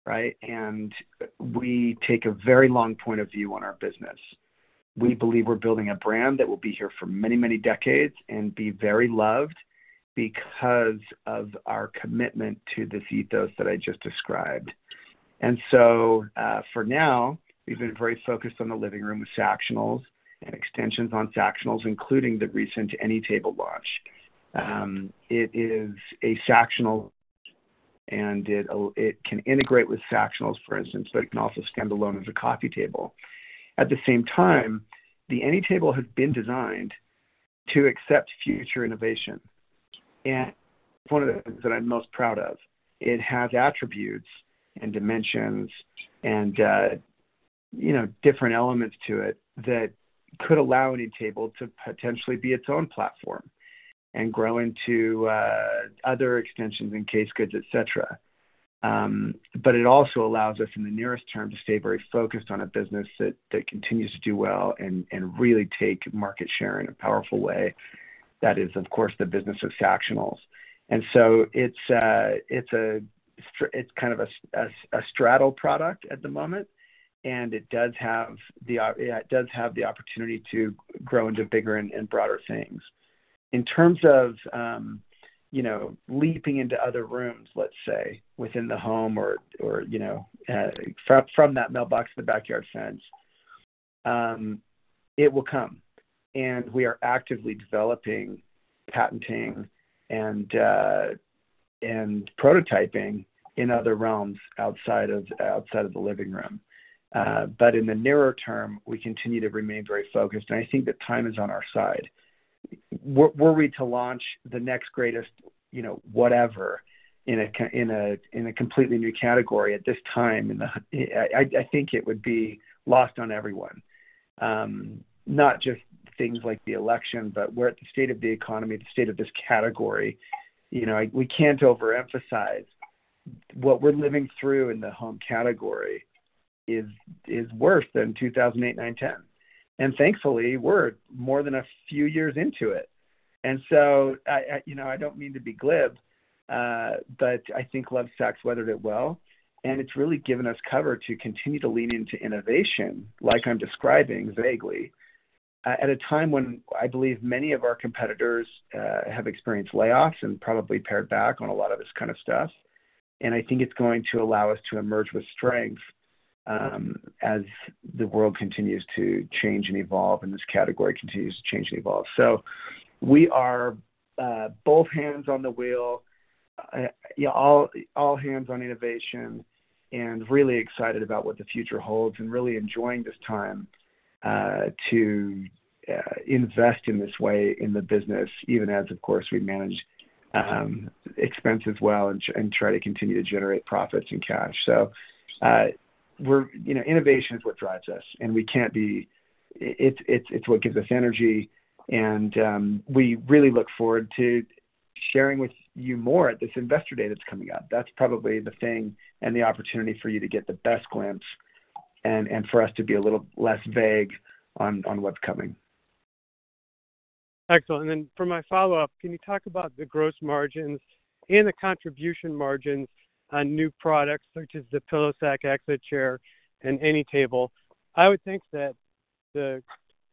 right? And we take a very long point of view on our business. We believe we're building a brand that will be here for many, many decades and be very loved because of our commitment to this ethos that I just described. And so, for now, we've been very focused on the living room with Sactionals and extensions on Sactionals, including the recent AnyTable launch. It is a Sactional, and it can integrate with Sactionals, for instance, but it can also stand alone as a coffee table. At the same time, the AnyTable has been designed to accept future innovation, and one of the things that I'm most proud of, it has attributes and dimensions and different elements to it that could allow AnyTable to potentially be its own platform and grow into other extensions and case goods, et cetera. But it also allows us, in the nearest term, to stay very focused on a business that continues to do well and really take market share in a powerful way. That is, of course, the business of Sactionals. And so it's kind of a straddle product at the moment, and it does have the opportunity to grow into bigger and broader things. In terms of, you know, leaping into other rooms, let's say, within the home or, you know, from that mailbox to the backyard fence, it will come and we are actively developing, patenting, and prototyping in other realms outside of the living room. But in the nearer term, we continue to remain very focused, and I think that time is on our side. Were we to launch the next greatest, you know, whatever, in a completely new category at this time, in the... I think it would be lost on everyone. Not just things like the election, but we're at the state of the economy, the state of this category. You know, I... We can't overemphasize what we're living through in the home category is worse than 2008, 2009, 2010. And thankfully, we're more than a few years into it. And so, you know, I don't mean to be glib, but I think Lovesac weathered it well, and it's really given us cover to continue to lean into innovation like I'm describing vaguely, at a time when I believe many of our competitors have experienced layoffs and probably pared back on a lot of this kind of stuff. And I think it's going to allow us to emerge with strength, as the world continues to change and evolve, and this category continues to change and evolve. We are both hands on the wheel, yeah, all hands on innovation and really excited about what the future holds and really enjoying this time to invest in this way in the business, even as, of course, we manage expense as well and try to continue to generate profits and cash. We're you know, innovation is what drives us, and we can't help it, it's what gives us energy, and we really look forward to sharing with you more at this Investor Day that's coming up. That's probably the thing and the opportunity for you to get the best glimpse and for us to be a little less vague on what's coming. Excellent. And then for my follow-up, can you talk about the gross margins and the contribution margins on new products, such as the PillowSac Accent Chair and AnyTable? I would think that the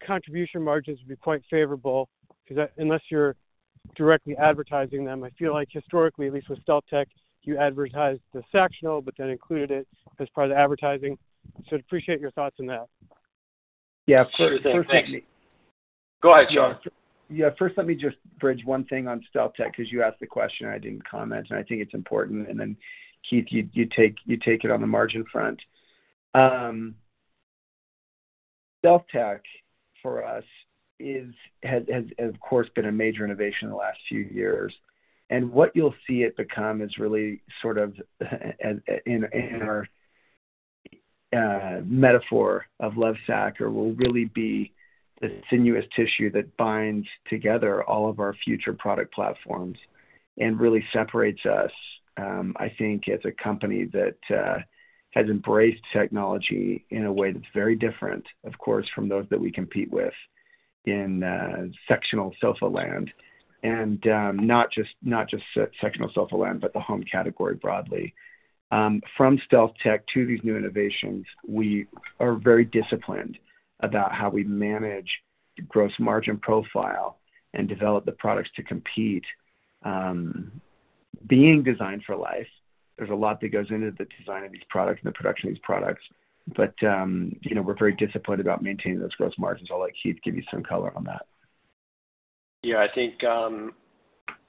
contribution margins would be quite favorable because, unless you're directly advertising them, I feel like historically, at least with StealthTech, you advertised the Sactional, but then included it as part of the advertising. So I'd appreciate your thoughts on that. Yeah, sure. Go ahead, Shawn. Yeah, first, let me just bridge one thing on StealthTech, because you asked the question, and I didn't comment, and I think it's important. And then, Keith, you take it on the margin front. StealthTech, for us, has, of course, been a major innovation in the last few years. And what you'll see it become is really sort of in our metaphor of Lovesac, or will really be the sinuous tissue that binds together all of our future product platforms and really separates us, I think, as a company that has embraced technology in a way that's very different, of course, from those that we compete with in Sactional sofa land, and not just Sactional sofa land, but the home category broadly. From StealthTech to these new innovations, we are very disciplined about how we manage the gross margin profile and develop the products to compete. Being Designed for Life, there's a lot that goes into the design of these products and the production of these products, but, you know, we're very disciplined about maintaining those gross margins. I'll let Keith give you some color on that. Yeah, I think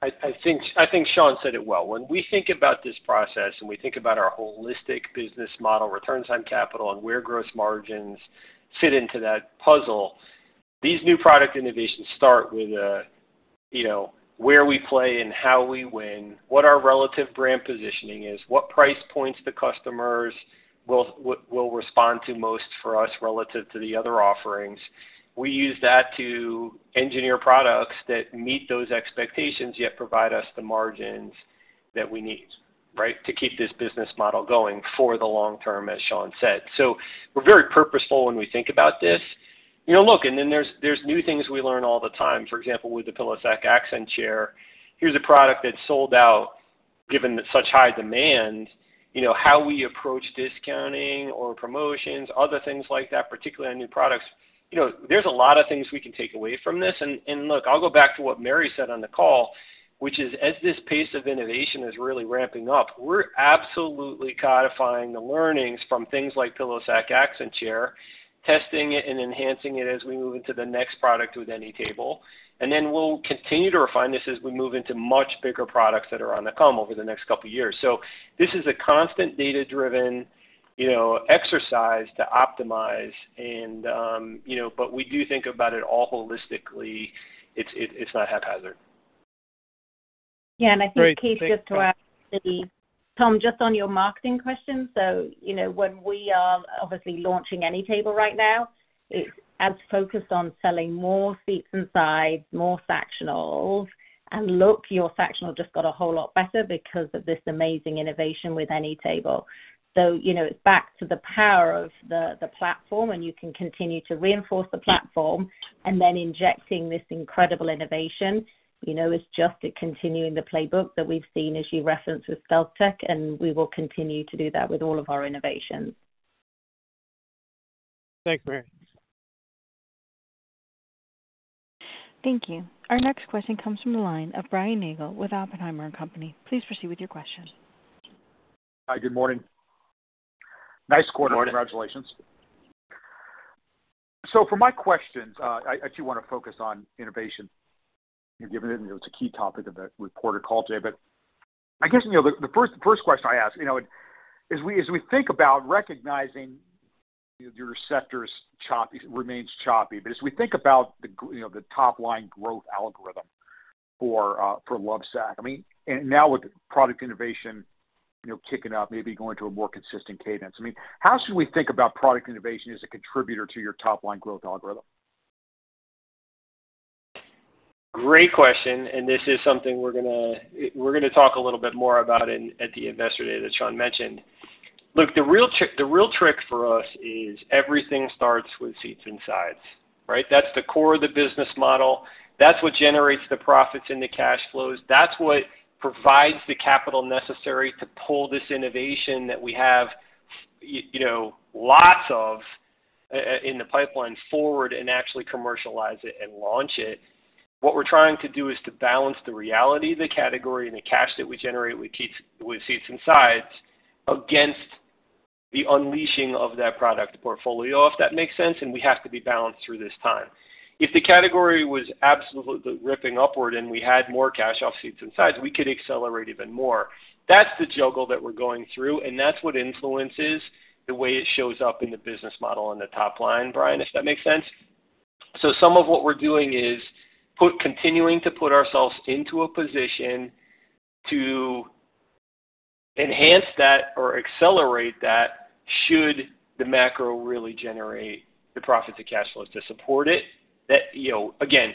I think Shawn said it well. When we think about this process, and we think about our holistic business model, returns on capital and where gross margins fit into that puzzle, these new product innovations start with a, you know, where we play and how we win, what our relative brand positioning is, what price points the customers will respond to most for us relative to the other offerings. We use that to engineer products that meet those expectations, yet provide us the margins that we need, right? To keep this business model going for the long term, as Shawn said. So we're very purposeful when we think about this. You know, look, and then there's new things we learn all the time. For example, with the PillowSac Accent Chair, here's a product that sold out, given such high demand, you know, how we approach discounting or promotions, other things like that, particularly on new products. You know, there's a lot of things we can take away from this. And look, I'll go back to what Mary said on the call, which is, as this pace of innovation is really ramping up, we're absolutely codifying the learnings from things like PillowSac Accent Chair, testing it and enhancing it as we move into the next product with AnyTable. And then we'll continue to refine this as we move into much bigger products that are on the come over the next couple of years. So this is a constant data-driven, you know, exercise to optimize, and, you know, but we do think about it all holistically. It's not haphazard. Yeah, and I think, Keith, just to add, Tom, just on your marketing question. So, you know, when we are obviously launching AnyTable right now, it's as focused on selling more seats and sides, more Sactionals, and look, your Sactional just got a whole lot better because of this amazing innovation with AnyTable. So, you know, it's back to the power of the, the platform, and you can continue to reinforce the platform and then injecting this incredible innovation, you know, is just continuing the playbook that we've seen as you referenced with StealthTech, and we will continue to do that with all of our innovations. Thanks, Mary. Thank you. Our next question comes from the line of Brian Nagel with Oppenheimer & Co. Please proceed with your question. Hi, good morning. Nice quarter. Good morning. Congratulations. So for my questions, I do want to focus on innovation. You've given it, and it's a key topic of the earnings call today. But I guess, you know, the first question I ask, you know, as we think about recognizing your sector remains choppy, but as we think about, you know, the top line growth algorithm for Lovesac, I mean, and now with product innovation, you know, kicking up, maybe going to a more consistent cadence, I mean, how should we think about product innovation as a contributor to your top-line growth algorithm? Great question, and this is something we're gonna, we're gonna talk a little bit more about in at the Investor Day that Shawn mentioned. Look, the real trick, the real trick for us is everything starts with seats and sides, right? That's the core of the business model. That's what generates the profits and the cash flows. That's what provides the capital necessary to pull this innovation that we have, you know, lots of, in the pipeline forward and actually commercialize it and launch it. What we're trying to do is to balance the reality of the category and the cash that we generate with seats, with seats and sides, against the unleashing of that product portfolio, if that makes sense, and we have to be balanced through this time. If the category was absolutely ripping upward and we had more cash off seats and sides, we could accelerate even more. That's the juggle that we're going through, and that's what influences the way it shows up in the business model and the top line, Brian, if that makes sense? Some of what we're doing is continuing to put ourselves into a position to enhance that or accelerate that, should the macro really generate the profit to cash flows to support it. That, you know, again,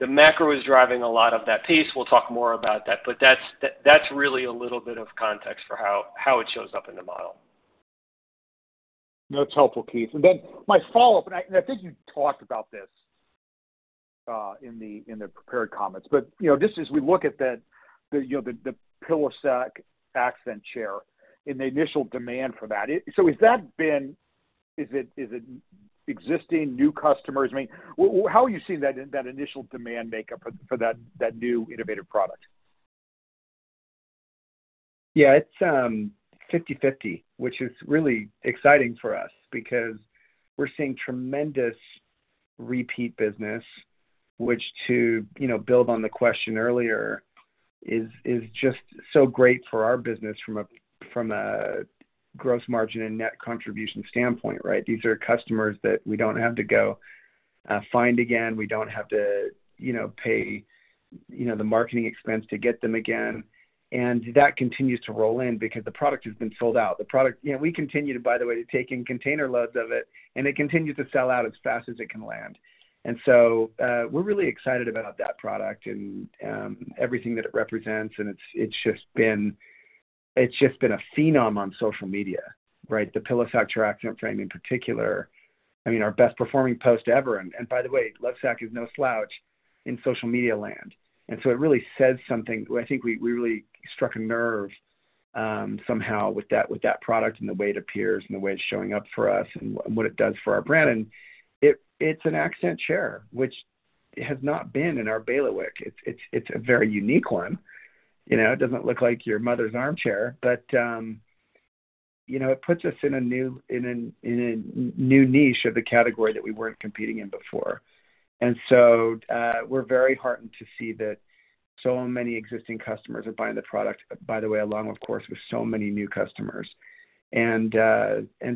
the macro is driving a lot of that pace. We'll talk more about that, but that's really a little bit of context for how it shows up in the model. That's helpful, Keith. And then my follow-up, and I think you talked about this in the prepared comments, but you know, just as we look at the you know, the PillowSac Accent Chair and the initial demand for that. So has that been, is it existing new customers? I mean, how are you seeing that initial demand makeup for that new innovative product? Yeah, it's 50/50, which is really exciting for us because we're seeing tremendous repeat business, which to, you know, build on the question earlier, is just so great for our business from a gross margin and net contribution standpoint, right? These are customers that we don't have to go find again. We don't have to, you know, pay, you know, the marketing expense to get them again. And that continues to roll in because the product has been sold out. You know, we continue to, by the way, take in container loads of it, and it continues to sell out as fast as it can land. And so, we're really excited about that product and everything that it represents, and it's just been a phenom on social media, right? The PillowSac Accent Chair Frame, in particular, I mean, our best performing post ever. And by the way, Lovesac is no slouch in social media land. And so it really says something. I think we really struck a nerve somehow with that product and the way it appears and the way it's showing up for us and what it does for our brand. And it, it's an accent chair, which has not been in our bailiwick. It's a very unique one. You know, it doesn't look like your mother's armchair, but you know, it puts us in a new niche of the category that we weren't competing in before. And so, we're very heartened to see that so many existing customers are buying the product, by the way, along, of course, with so many new customers. And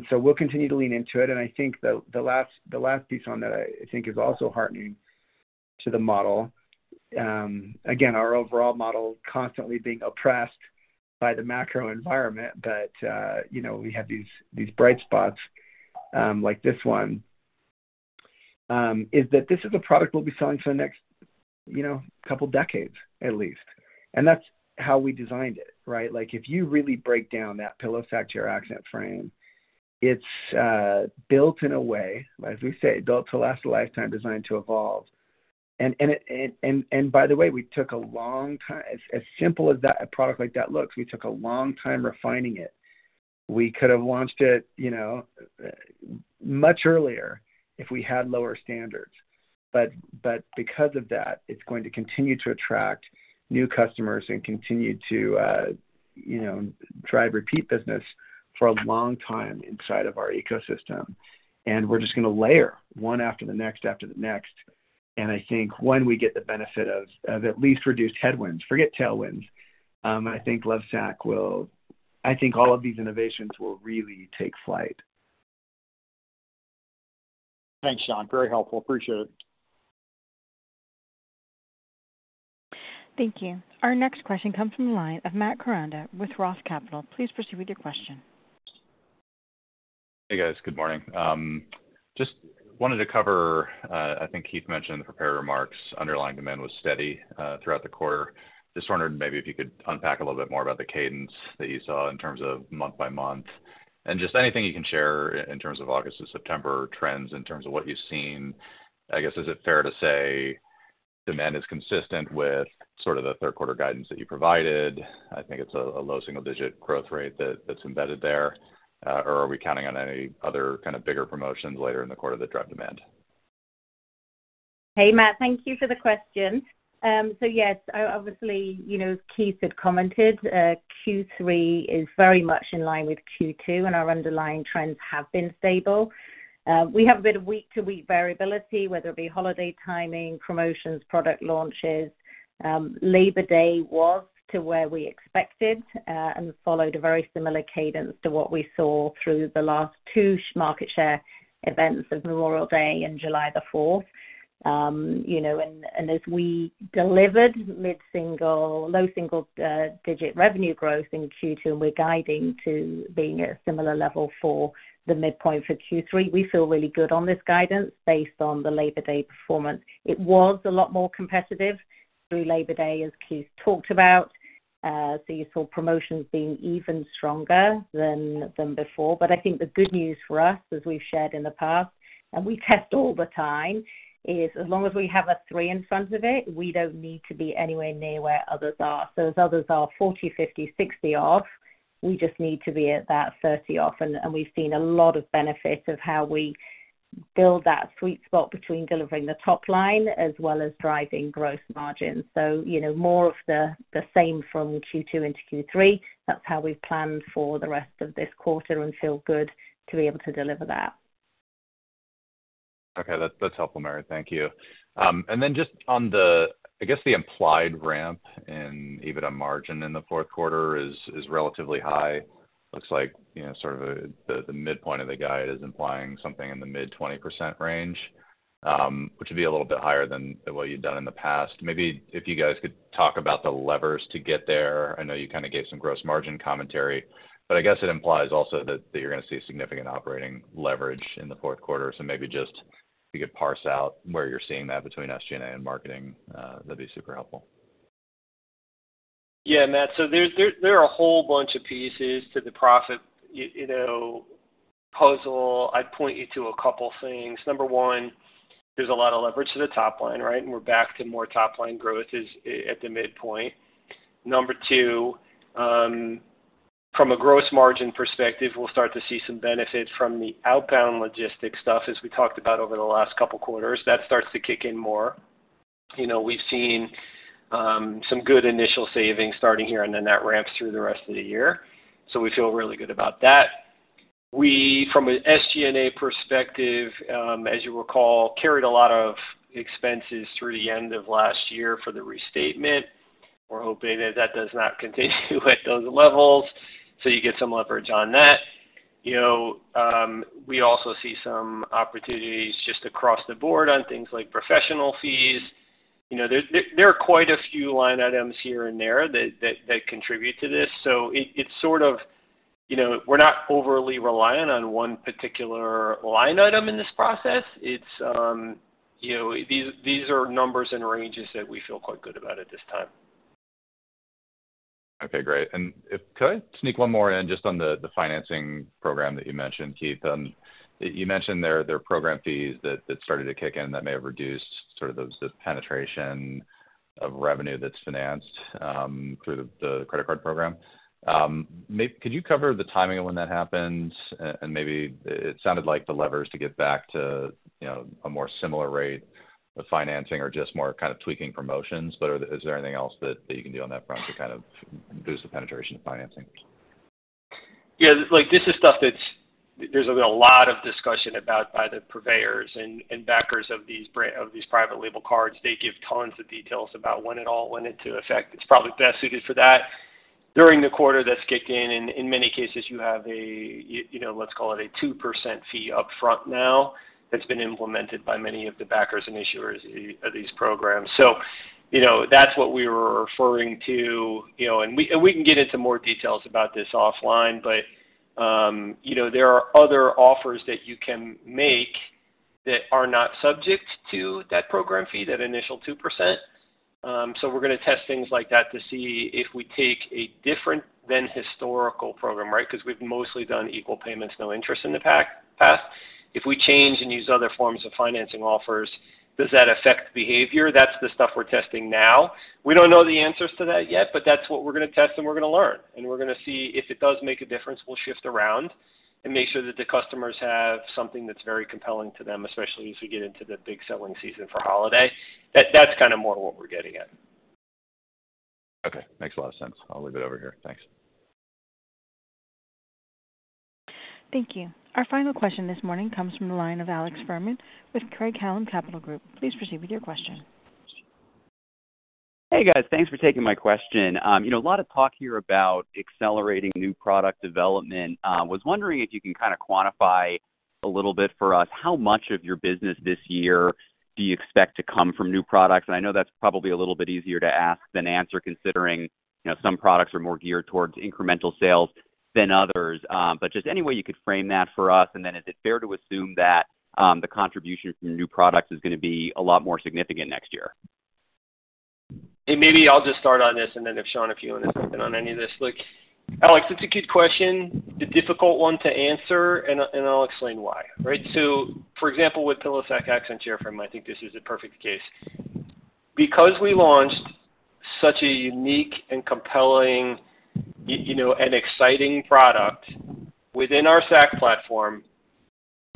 so we'll continue to lean into it. And I think the last piece on that, I think, is also heartening to the model. Again, our overall model constantly being oppressed by the macro environment. But you know, we have these bright spots like this one is that this is a product we'll be selling for the next, you know, couple decades at least, and that's how we designed it, right? Like, if you really break down that PillowSac Accent Chair Frame, it's built in a way, as we say, built to last a lifetime, designed to evolve. And by the way, we took a long time. As simple as that, a product like that looks, we took a long time refining it. We could have launched it, you know, much earlier if we had lower standards. But because of that, it's going to continue to attract new customers and continue to, you know, drive repeat business for a long time inside of our ecosystem. And we're just gonna layer one after the next, after the next. And I think when we get the benefit of at least reduced headwinds, forget tailwinds, I think Lovesac will. I think all of these innovations will really take flight. Thanks, John. Very helpful. Appreciate it. Thank you. Our next question comes from the line of Matt Koranda with Roth Capital. Please proceed with your question. Hey, guys. Good morning. Just wanted to cover, I think Keith mentioned in the prepared remarks, underlying demand was steady throughout the quarter. Just wondering maybe if you could unpack a little bit more about the cadence that you saw in terms of month by month, and just anything you can share in terms of August and September trends, in terms of what you've seen. I guess, is it fair to say demand is consistent with sort of the third quarter guidance that you provided? I think it's a low single digit growth rate that's embedded there. Or are we counting on any other kind of bigger promotions later in the quarter that drive demand? Hey, Matt, thank you for the question. So yes, obviously, you know, as Keith had commented, Q3 is very much in line with Q2, and our underlying trends have been stable. We have a bit of week-to-week variability, whether it be holiday timing, promotions, product launches. Labor Day was up to where we expected, and followed a very similar cadence to what we saw through the last two market share events of Memorial Day and July Fourth. You know, and, and as we delivered mid-single-digit, low single-digit revenue growth in Q2, and we're guiding to being at a similar level for the midpoint for Q3, we feel really good on this guidance based on the Labor Day performance. It was a lot more competitive through Labor Day, as Keith talked about. So you saw promotions being even stronger than before. But I think the good news for us, as we've shared in the past, and we test all the time, is as long as we have a three in front of it, we don't need to be anywhere near where others are. So as others are 40%, 50%, 60% off, we just need to be at that 30% off. And we've seen a lot of benefits of how we build that sweet spot between delivering the top line as well as driving gross margins. So, you know, more of the same from Q2 into Q3. That's how we've planned for the rest of this quarter and feel good to be able to deliver that. Okay, that's helpful, Mary. Thank you. And then just on the, I guess, the implied ramp in EBITDA margin in the fourth quarter is relatively high. Looks like, you know, sort of a, the midpoint of the guide is implying something in the mid-20% range, which would be a little bit higher than what you've done in the past. Maybe if you guys could talk about the levers to get there. I know you kind of gave some gross margin commentary, but I guess it implies also that you're gonna see significant operating leverage in the fourth quarter. So maybe just if you could parse out where you're seeing that between SG&A and marketing, that'd be super helpful. Yeah, Matt, so there are a whole bunch of pieces to the profit, you know, puzzle. I'd point you to a couple things. Number one, there's a lot of leverage to the top line, right? And we're back to more top-line growth at the midpoint. Number two, from a gross margin perspective, we'll start to see some benefits from the outbound logistics stuff, as we talked about over the last couple quarters. That starts to kick in more. You know, we've seen some good initial savings starting here, and then that ramps through the rest of the year. So we feel really good about that. We, from an SG&A perspective, as you recall, carried a lot of expenses through the end of last year for the restatement. We're hoping that that does not continue at those levels, so you get some leverage on that. You know, we also see some opportunities just across the board on things like professional fees. You know, there are quite a few line items here and there that contribute to this. So it's sort of, you know, we're not overly reliant on one particular line item in this process. It's, you know, these are numbers and ranges that we feel quite good about at this time. Okay, great. And could I sneak one more in, just on the financing program that you mentioned, Keith? You mentioned there are program fees that started to kick in, that may have reduced sort of those, the penetration of revenue that's financed through the credit card program. Could you cover the timing of when that happened? And maybe... It sounded like the levers to get back to, you know, a more similar rate of financing are just more kind of tweaking promotions, but is there anything else that you can do on that front to kind of boost the penetration of financing? Yeah, like, this is stuff that's there has been a lot of discussion about by the purveyors and and backers of these of these private label cards. They give tons of details about when it all went into effect. It's probably best suited for that. During the quarter, that's kicked in, and in many cases, you have a you know, let's call it a 2% fee upfront now, that's been implemented by many of the backers and issuers of of these programs. So, you know, that's what we were referring to, you know, and we and we can get into more details about this offline, but you know, there are other offers that you can make that are not subject to that program fee, that initial 2%. So we're gonna test things like that to see if we take a different than historical program, right? Because we've mostly done equal payments, no interest in the past. If we change and use other forms of financing offers, does that affect behavior? That's the stuff we're testing now. We don't know the answers to that yet, but that's what we're gonna test, and we're gonna learn. And we're gonna see if it does make a difference. We'll shift around and make sure that the customers have something that's very compelling to them, especially as we get into the big selling season for holiday. That's kind of more what we're getting at. Okay, makes a lot of sense. I'll leave it over here. Thanks. Thank you. Our final question this morning comes from the line of Alex Fuhrman with Craig-Hallum Capital Group. Please proceed with your question. Hey, guys. Thanks for taking my question. You know, a lot of talk here about accelerating new product development. Was wondering if you can kinda quantify a little bit for us, how much of your business this year do you expect to come from new products? And I know that's probably a little bit easier to ask than answer, considering, you know, some products are more geared towards incremental sales than others. But just any way you could frame that for us, and then is it fair to assume that the contribution from new products is gonna be a lot more significant next year? And maybe I'll just start on this, and then if, Shawn, you want to jump in on any of this. Look, Alex, it's a good question, a difficult one to answer, and I'll explain why. Right, so for example, with PillowSac Accent Chair Frame, I think this is a perfect case. Because we launched such a unique and compelling, you know, an exciting product within our Sacs platform,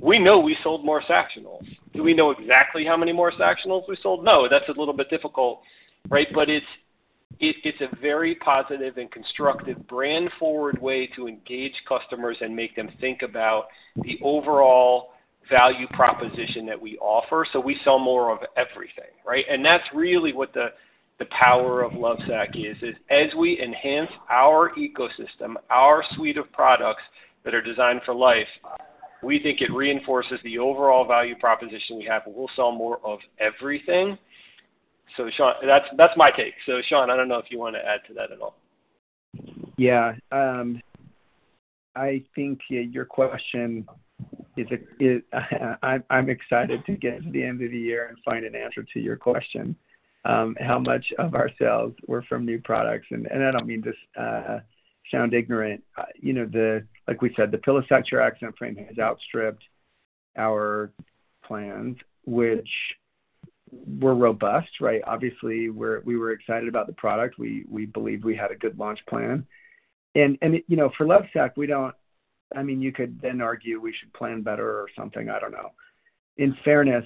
we know we sold more Sactionals. Do we know exactly how many more Sactionals we sold? No, that's a little bit difficult, right? But it's a very positive and constructive, brand-forward way to engage customers and make them think about the overall value proposition that we offer, so we sell more of everything, right? And that's really what the power of Lovesac is, as we enhance our ecosystem, our suite of products that are Designed for Life, we think it reinforces the overall value proposition we have, and we'll sell more of everything. So Shawn... That's my take. So Shawn, I don't know if you want to add to that at all. Yeah, I think your question is, I'm excited to get to the end of the year and find an answer to your question, how much of our sales were from new products? And I don't mean to sound ignorant. You know, like we said, the PillowSac Accent Chair Frame has outstripped our plans, which were robust, right? Obviously, we were excited about the product. We believe we had a good launch plan. And, you know, for Lovesac, we don't, I mean, you could then argue we should plan better or something. I don't know. In fairness,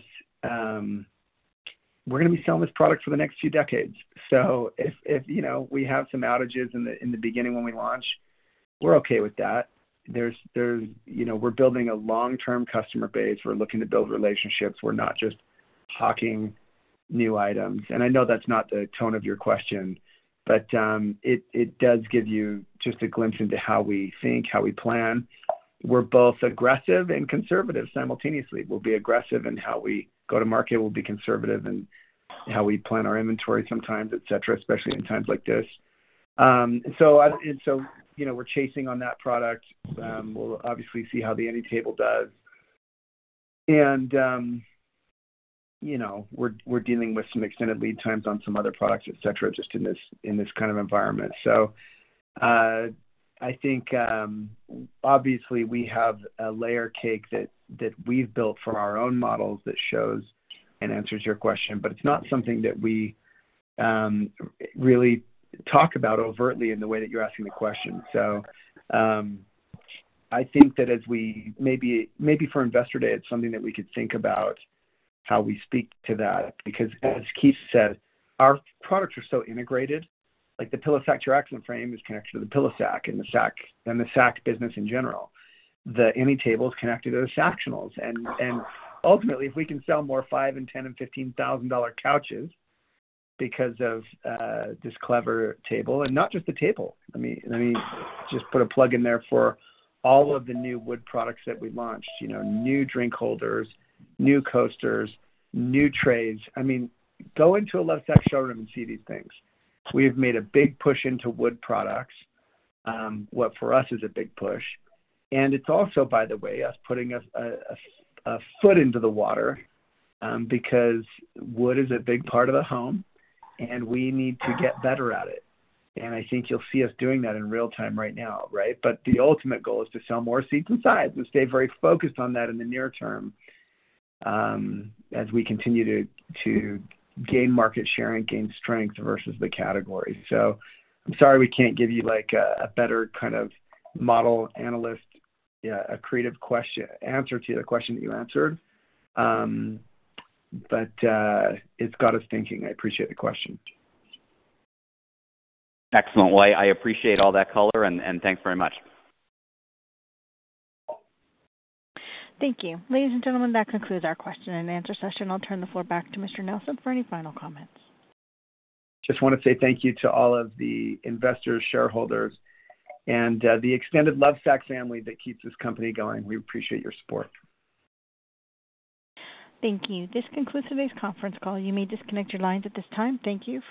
we're gonna be selling this product for the next few decades. So if, you know, we have some outages in the beginning when we launch, we're okay with that. There's you know, we're building a long-term customer base. We're looking to build relationships. We're not just talking new items, and I know that's not the tone of your question, but, it does give you just a glimpse into how we think, how we plan. We're both aggressive and conservative simultaneously. We'll be aggressive in how we go to market. We'll be conservative in how we plan our inventory sometimes, et cetera, especially in times like this. So, and so, you know, we're chasing on that product. We'll obviously see how the AnyTable does, and you know, we're dealing with some extended lead times on some other products, et cetera, just in this kind of environment. I think, obviously, we have a layer cake that we've built from our own models that shows and answers your question, but it's not something that we really talk about overtly in the way that you're asking the question. I think that as we maybe for Investor Day, it's something that we could think about how we speak to that, because as Keith said, our products are so integrated. Like, the PillowSac Accent Chair Frame is connected to the PillowSac and the Sacs, and the Sacs business in general. The AnyTable is connected to those Sactionals. And ultimately, if we can sell more $5,000 and $10,000 and $15,000 couches because of this clever table, and not just the table. Let me just put a plug in there for all of the new wood products that we launched. You know, new drink holders, new coasters, new trays. I mean, go into a Lovesac showroom and see these things. We have made a big push into wood products, what for us is a big push, and it's also, by the way, us putting a foot into the water, because wood is a big part of the home, and we need to get better at it. And I think you'll see us doing that in real time right now, right? But the ultimate goal is to sell more seats and sides and stay very focused on that in the near term, as we continue to gain market share and gain strength versus the category. I'm sorry, we can't give you, like, a better kind of model analyst, a creative answer to the question that you answered. But, it's got us thinking. I appreciate the question. Excellent. I appreciate all that color, and thanks very much. Thank you. Ladies and gentlemen, that concludes our question-and-answer session. I'll turn the floor back to Mr. Nelson for any final comments. Just wanna say thank you to all of the investors, shareholders, and the extended Lovesac family that keeps this company going. We appreciate your support. Thank you. This concludes today's conference call. You may disconnect your lines at this time. Thank you for your participation.